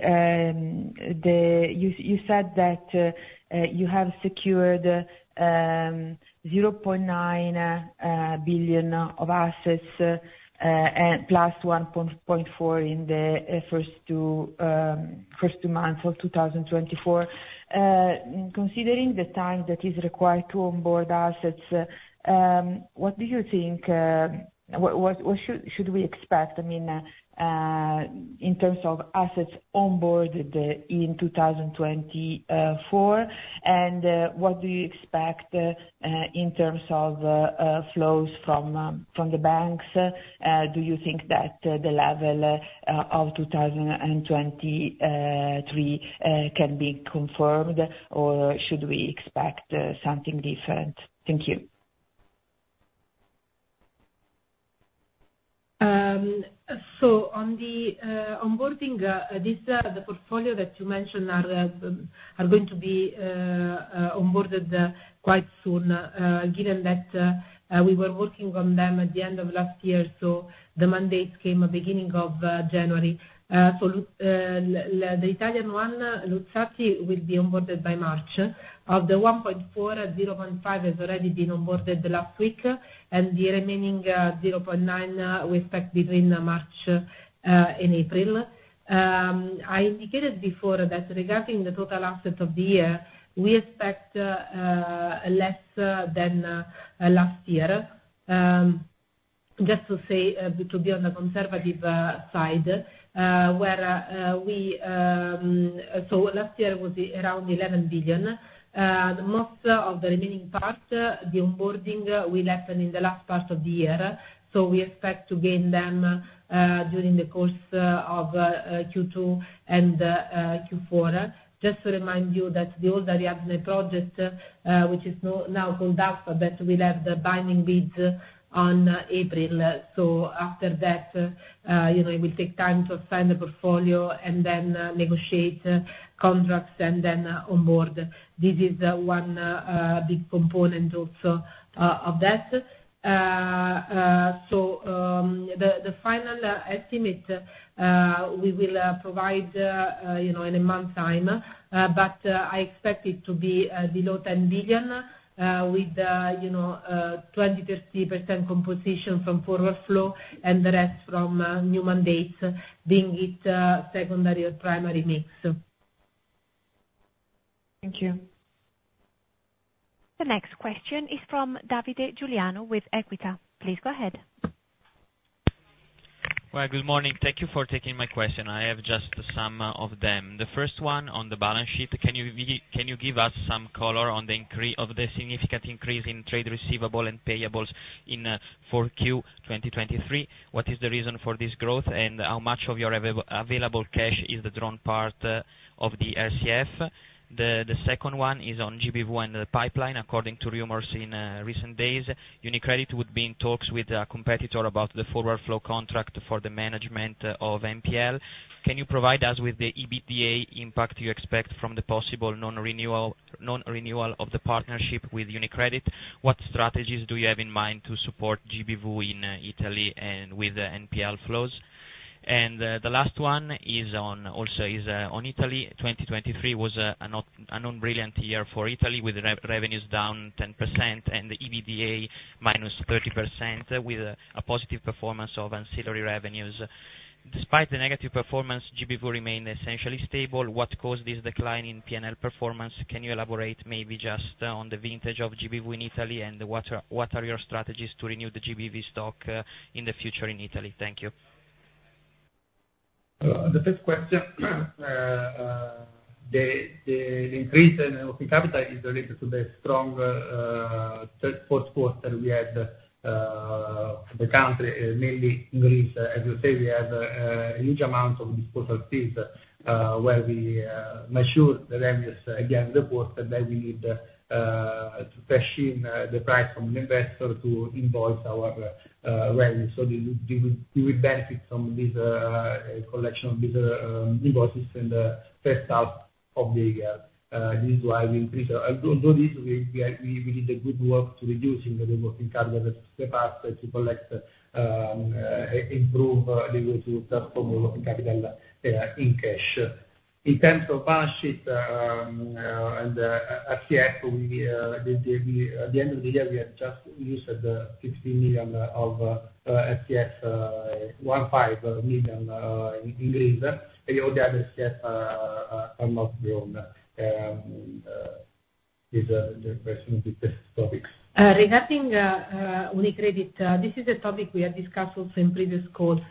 you said that you have secured 0.9 billion of assets plus 1.4 billion in the first two months of 2024. Considering the time that is required to onboard assets, what do you think what should we expect, I mean, in terms of assets onboarded in 2024? What do you expect in terms of flows from the banks? Do you think that the level of 2023 can be confirmed, or should we expect something different? Thank you. So on the onboarding, the portfolio that you mentioned are going to be onboarded quite soon, given that we were working on them at the end of last year. So the mandates came beginning of January. So the Italian one, Luzzatti, will be onboarded by March. Of the 1.4 billion, 0.5 billion has already been onboarded last week, and the remaining 0.9 billion we expect between March and April. I indicated before that regarding the total assets of the year, we expect less than last year, just to be on the conservative side, where we so last year was around 11 billion. Most of the remaining part, the onboarding, will happen in the last part of the year. So we expect to gain them during the course of Q2 and Q4. Just to remind you that the old Ariadne project, which is now called Alpha, that will have the binding bids on April. So after that, it will take time to assign the portfolio and then negotiate contracts and then onboard. This is one big component also of that. So the final estimate, we will provide in a month's time, but I expect it to be below 10 billion with 20%-30% composition from forward flow and the rest from new mandates, being it secondary or primary mix. Thank you. The next question is from Domenico Ghilotti with Equita. Please go ahead. Well, good morning. Thank you for taking my question. I have just some of them. The first one on the balance sheet, can you give us some color on the significant increase in trade receivable and payables in Q4 2023? What is the reason for this growth, and how much of your available cash is the drawn part of the RCF? The second one is on GBV and the pipeline. According to rumors in recent days, UniCredit would be in talks with a competitor about the forward flow contract for the management of NPL. Can you provide us with the EBITDA impact you expect from the possible non-renewal of the partnership with UniCredit? What strategies do you have in mind to support GBV in Italy with the NPL flows? And the last one also is on Italy. 2023 was a non-brilliant year for Italy with revenues down 10% and the EBITDA minus 30% with a positive performance of ancillary revenues. Despite the negative performance, GBV remained essentially stable. What caused this decline in P&L performance? Can you elaborate maybe just on the vintage of GBV in Italy and what are your strategies to renew the GBV stock in the future in Italy? Thank you. The first question, the increase in working capital is related to the strong third quarter we had for the country, mainly in Greece. As you say, we have a huge amount of disposal fees where we make sure the revenues again report that we need to cash in the price from an investor to invoice our revenue. So we will benefit from this collection of these invoices in the first half of the year. This is why we increase. Although this, we did a good work to reducing the working capital that's passed to improve the way to transform the working capital in cash. In terms of balance sheet and RCF, at the end of the year, we had just used 15 million of RCF, 1.5 million in Greece. All the other RCF are not drawn. These are the questions with these topics. Regarding UniCredit, this is a topic we have discussed also in previous calls.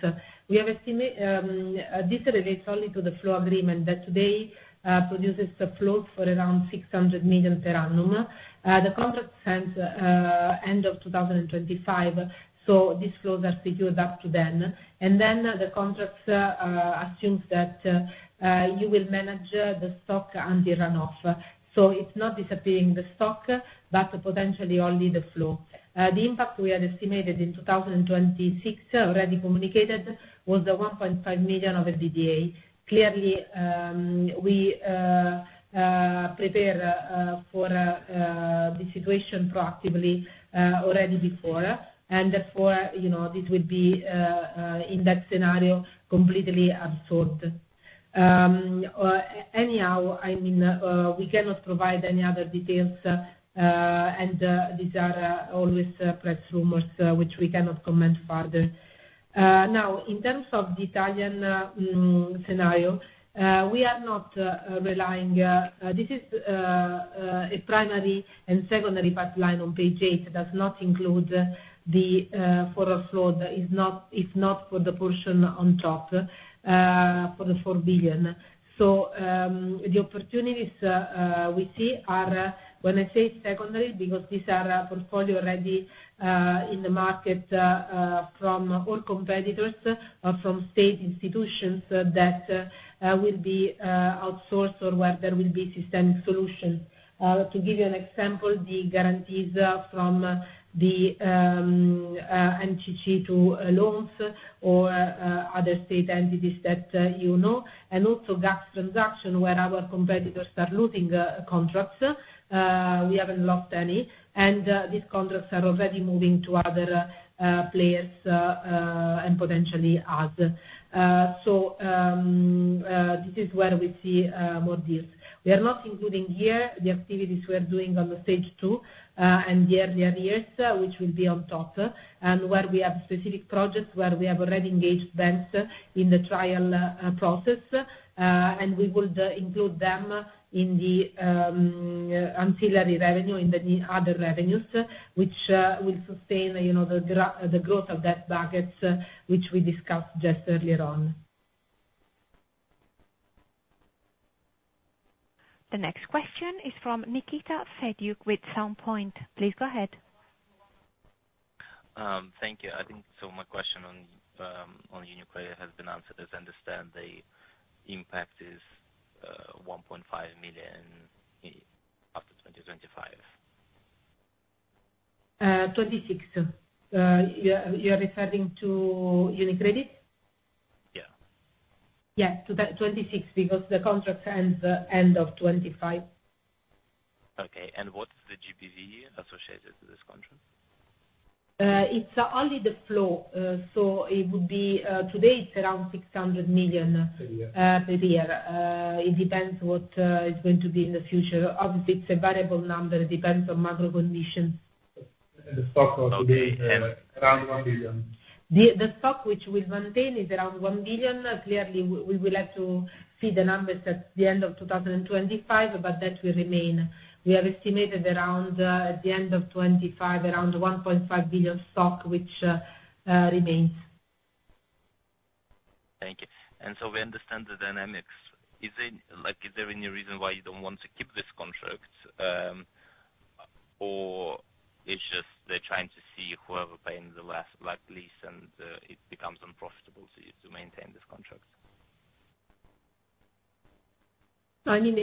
This relates only to the flow agreement that today produces flows for around 600 million per annum. The contract ends end of 2025, so these flows are secured up to then. And then the contract assumes that you will manage the stock until runoff. So it's not disappearing the stock, but potentially only the flow. The impact we had estimated in 2026, already communicated, was 1.5 million of EBITDA. Clearly, we prepare for the situation proactively already before. And therefore, this would be, in that scenario, completely absurd. Anyhow, I mean, we cannot provide any other details, and these are always press rumors, which we cannot comment further. Now, in terms of the Italian scenario, we are not relying. This is a primary and secondary pipeline on page 8. It does not include the forward flow. It's not for the portion on top for the 4 billion. So the opportunities we see are when I say secondary because these are portfolio already in the market from our competitors or from state institutions that will be outsourced or where there will be systemic solutions. To give you an example, the guarantees from the GACS to loans or other state entities that you know, and also GACS transaction where our competitors are losing contracts. We haven't lost any. And these contracts are already moving to other players and potentially us. So this is where we see more deals. We are not including here the activities we are doing on the Stage 2 and the early arrears, which will be on top, and where we have specific projects where we have already engaged banks in the trial process. And we would include them in the ancillary revenue, in the other revenues, which will sustain the growth of debt buckets, which we discussed just earlier on. The next question is from Nikita Sedyuk with Sound Point. Please go ahead. Thank you. I think so my question on UniCredit has been answered. As I understand, the impact is 1.5 million after 2025. 2026. You're referring to UniCredit? Yeah. Yeah, 2026 because the contract ends end of 2025. Okay. And what's the GBV associated to this contract? It's only the flow. So today, it's around 600 million per year. It depends what is going to be in the future. Obviously, it's a variable number. It depends on macro conditions. T he stock for today is around 1 billion. The stock, which we'll maintain, is around 1 billion. Clearly, we will have to see the numbers at the end of 2025, but that will remain. We have estimated around at the end of 2025, around 1.5 billion stock, which remains. Thank you. So we understand the dynamics. Is there any reason why you don't want to keep this contract, or it's just they're trying to see whoever paying the last lease back, and it becomes unprofitable to maintain this contract? I mean,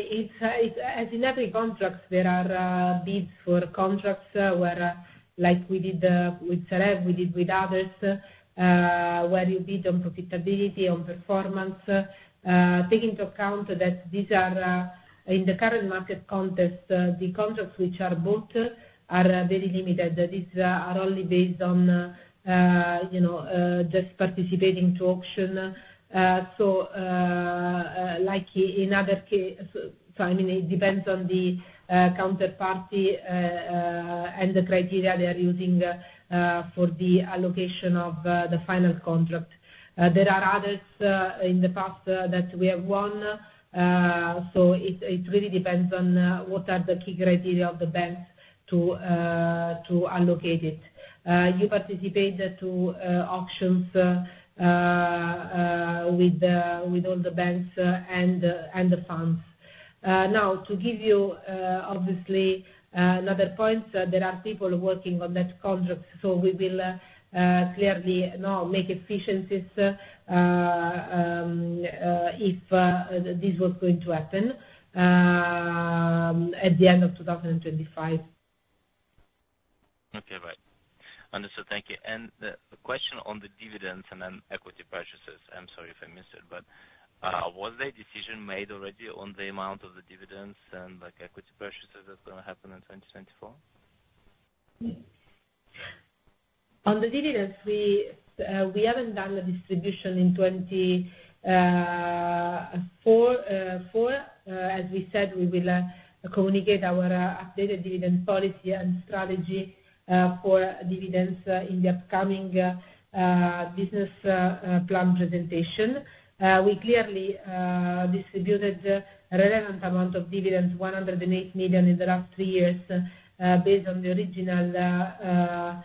as in every contract, there are bids for contracts where we did with Sareb, we did with others, where you bid on profitability, on performance, taking into account that these are in the current market context, the contracts which are bought are very limited. These are only based on just participating to auction. So like in other cases so I mean, it depends on the counterparty and the criteria they are using for the allocation of the final contract. There are others in the past that we have won. So it really depends on what are the key criteria of the banks to allocate it. You participate to auctions with all the banks and the funds. Now, to give you, obviously, another point, there are people working on that contract. So we will clearly now make efficiencies if this was going to happen at the end of 2025. Okay. Right. Understood. Thank you. The question on the dividends and then equity purchases. I'm sorry if I missed it, but was the decision made already on the amount of the dividends and equity purchases that's going to happen in 2024? On the dividends, we haven't done the distribution in 2024. As we said, we will communicate our updated dividend policy and strategy for dividends in the upcoming business plan presentation. We clearly distributed a relevant amount of dividends, 108 million, in the last 3 years based on the original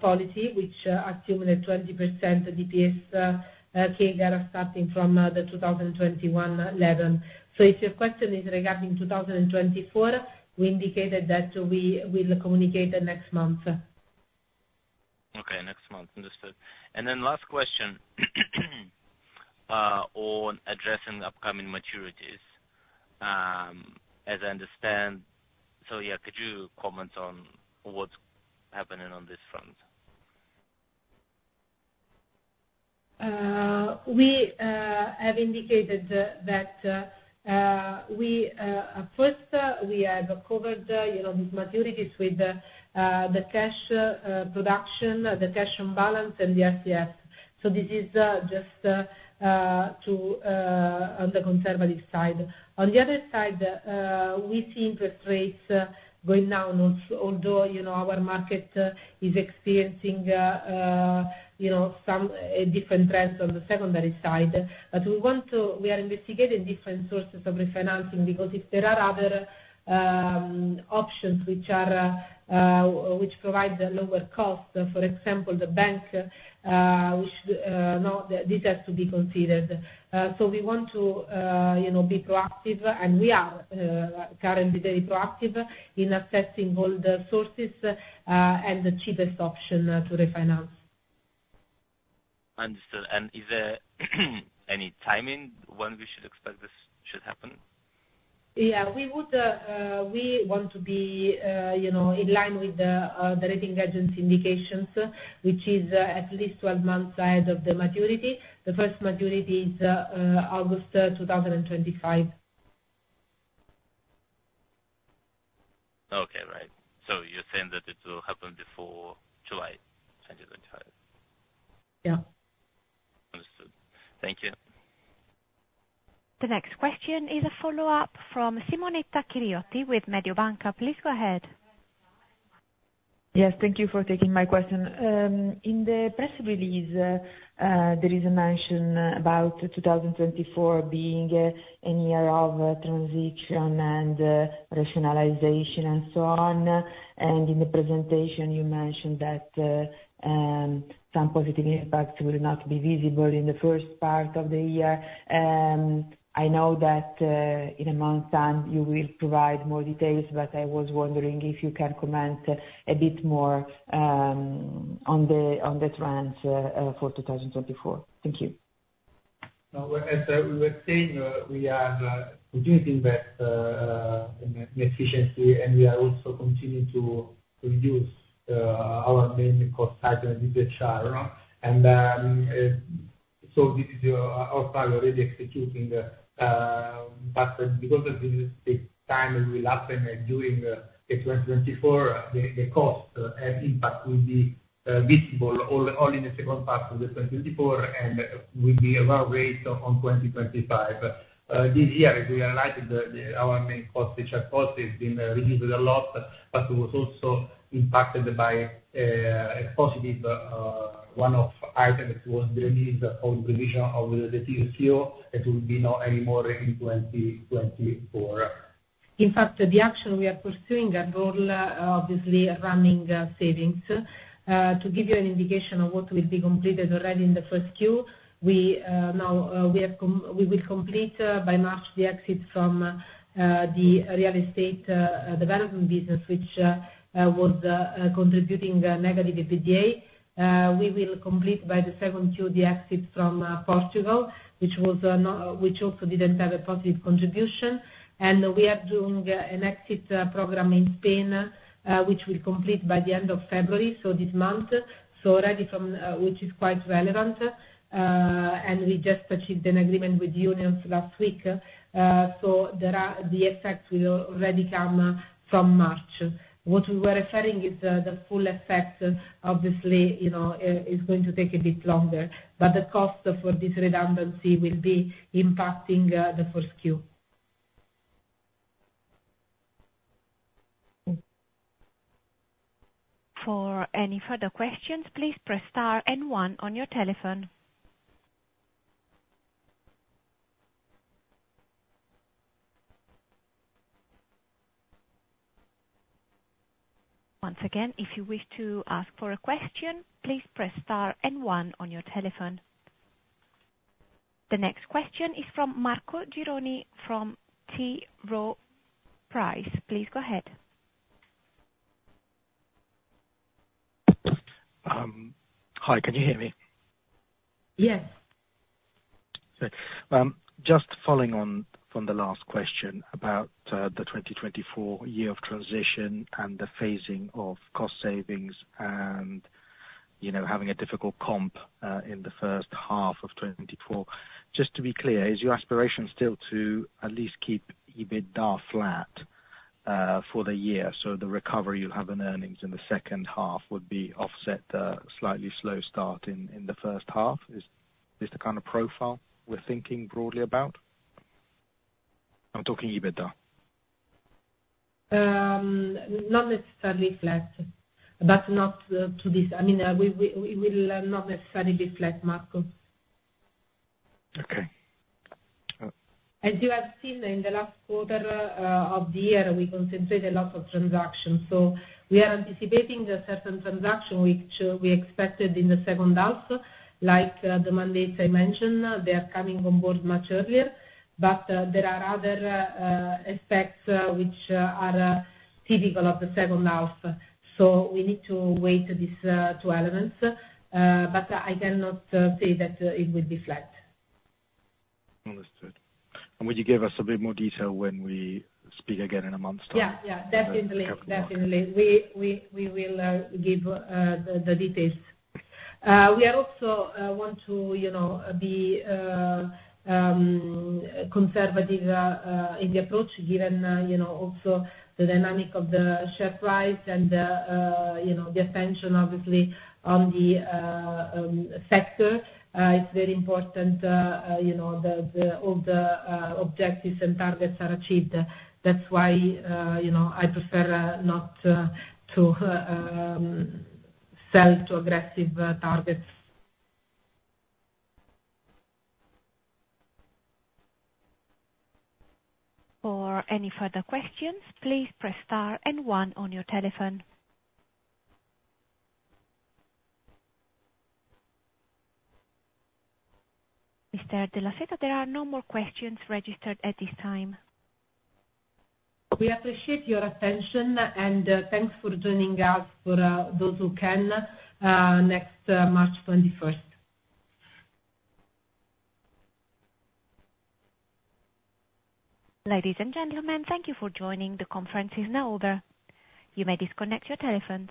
policy, which assumed that 20% DPS CAGR are starting from the 2021 level. So if your question is regarding 2024, we indicated that we will communicate the next month. Okay. Next month. Understood. And then last question on addressing upcoming maturities. As I understand so yeah, could you comment on what's happening on this front? We have indicated that first, we have covered these maturities with the cash production, the cash on balance, and the RCF. So this is just on the conservative side. On the other side, we see interest rates going down, although our market is experiencing some different trends on the secondary side. But we are investigating different sources of refinancing because if there are other options which provide lower cost, for example, the bank, this has to be considered. So we want to be proactive, and we are currently very proactive in assessing all the sources and the cheapest option to refinance. Understood. And is there any timing when we should expect this should happen? Yeah. We want to be in line with the rating agency indications, which is at least 12 months ahead of the maturity. The first maturity is August 2025. Okay. Right. So you're saying that it will happen before July 2025? Yeah. Understood. Thank you. The next question is a follow-up from Simonetta Chiriotti with Mediobanca. Please go ahead. Yes. Thank you for taking my question. In the press release, there is a mention about 2024 being a year of transition and rationalization and so on. And in the presentation, you mentioned that some positive impacts will not be visible in the first part of the year. I know that in a month's time, you will provide more details, but I was wondering if you can comment a bit more on the trends for 2024. Thank you. No. As we were saying, we are continuing to invest in efficiency, and we are also continuing to reduce our main cost side and the HR. And so this is also already executing. But because of the time it will happen during 2024, the cost and impact will be visible only in the second part of 2024, and we'll be run rate on 2025. This year, as we realized, our main cost, HR cost, has been reduced a lot, but it was also impacted by a positive one-off item: the release of the provision for the LTIP. It will not be anymore in 2024. In fact, the actions we are pursuing are all, obviously, run-rate savings. To give you an indication of what will be completed already in the first quarter, we will complete by March the exit from the real estate development business, which was contributing negative EBITDA. We will complete by the second quarter the exit from Portugal, which also didn't have a positive contribution. And we are doing an exit program in Spain, which we'll complete by the end of February, so this month, which is quite relevant. And we just achieved an agreement with unions last week. So the effect will already come from March. What we were referring is the full effect, obviously, is going to take a bit longer. But the cost for this redundancy will be impacting the first quarter. For any further questions, please press star and one on your telephone. Once again, if you wish to ask a question, please press star and one on your telephone. The next question is from Marco Gironi from T. Rowe Price. Please go ahead. Hi. Can you hear me? Yes. Just following on from the last question about the 2024 year of transition and the phasing of cost savings and having a difficult comp in the first half of 2024, just to be clear, is your aspiration still to at least keep EBITDA flat for the year so the recovery you'll have in earnings in the second half would be offset the slightly slow start in the first half? Is this the kind of profile we're thinking broadly about? I'm talking EBITDA. Not necessarily flat, but not to this, I mean, it will not necessarily be flat, Marco. As you have seen, in the last quarter of the year, we concentrate a lot of transactions. So we are anticipating certain transactions which we expected in the second half. Like the mandates I mentioned, they are coming on board much earlier. But there are other effects which are typical of the second half. So we need to wait these two elements. But I cannot say that it will be flat. Understood. And would you give us a bit more detail when we speak again in a month's time? Yeah. Yeah. Definitely. Definitely. We will give the details. We also want to be conservative in the approach given also the dynamic of the share price and the attention, obviously, on the sector. It's very important that all the objectives and targets are achieved. That's why I prefer not to sell to aggressive targets. For any further questions, please press star and one on your telephone. Mr. Della Seta, there are no more questions registered at this time. We appreciate your attention, and thanks for joining us for those who can next March 21st. Ladies and gentlemen, thank you for joining. The conference is now over. You may disconnect your telephone.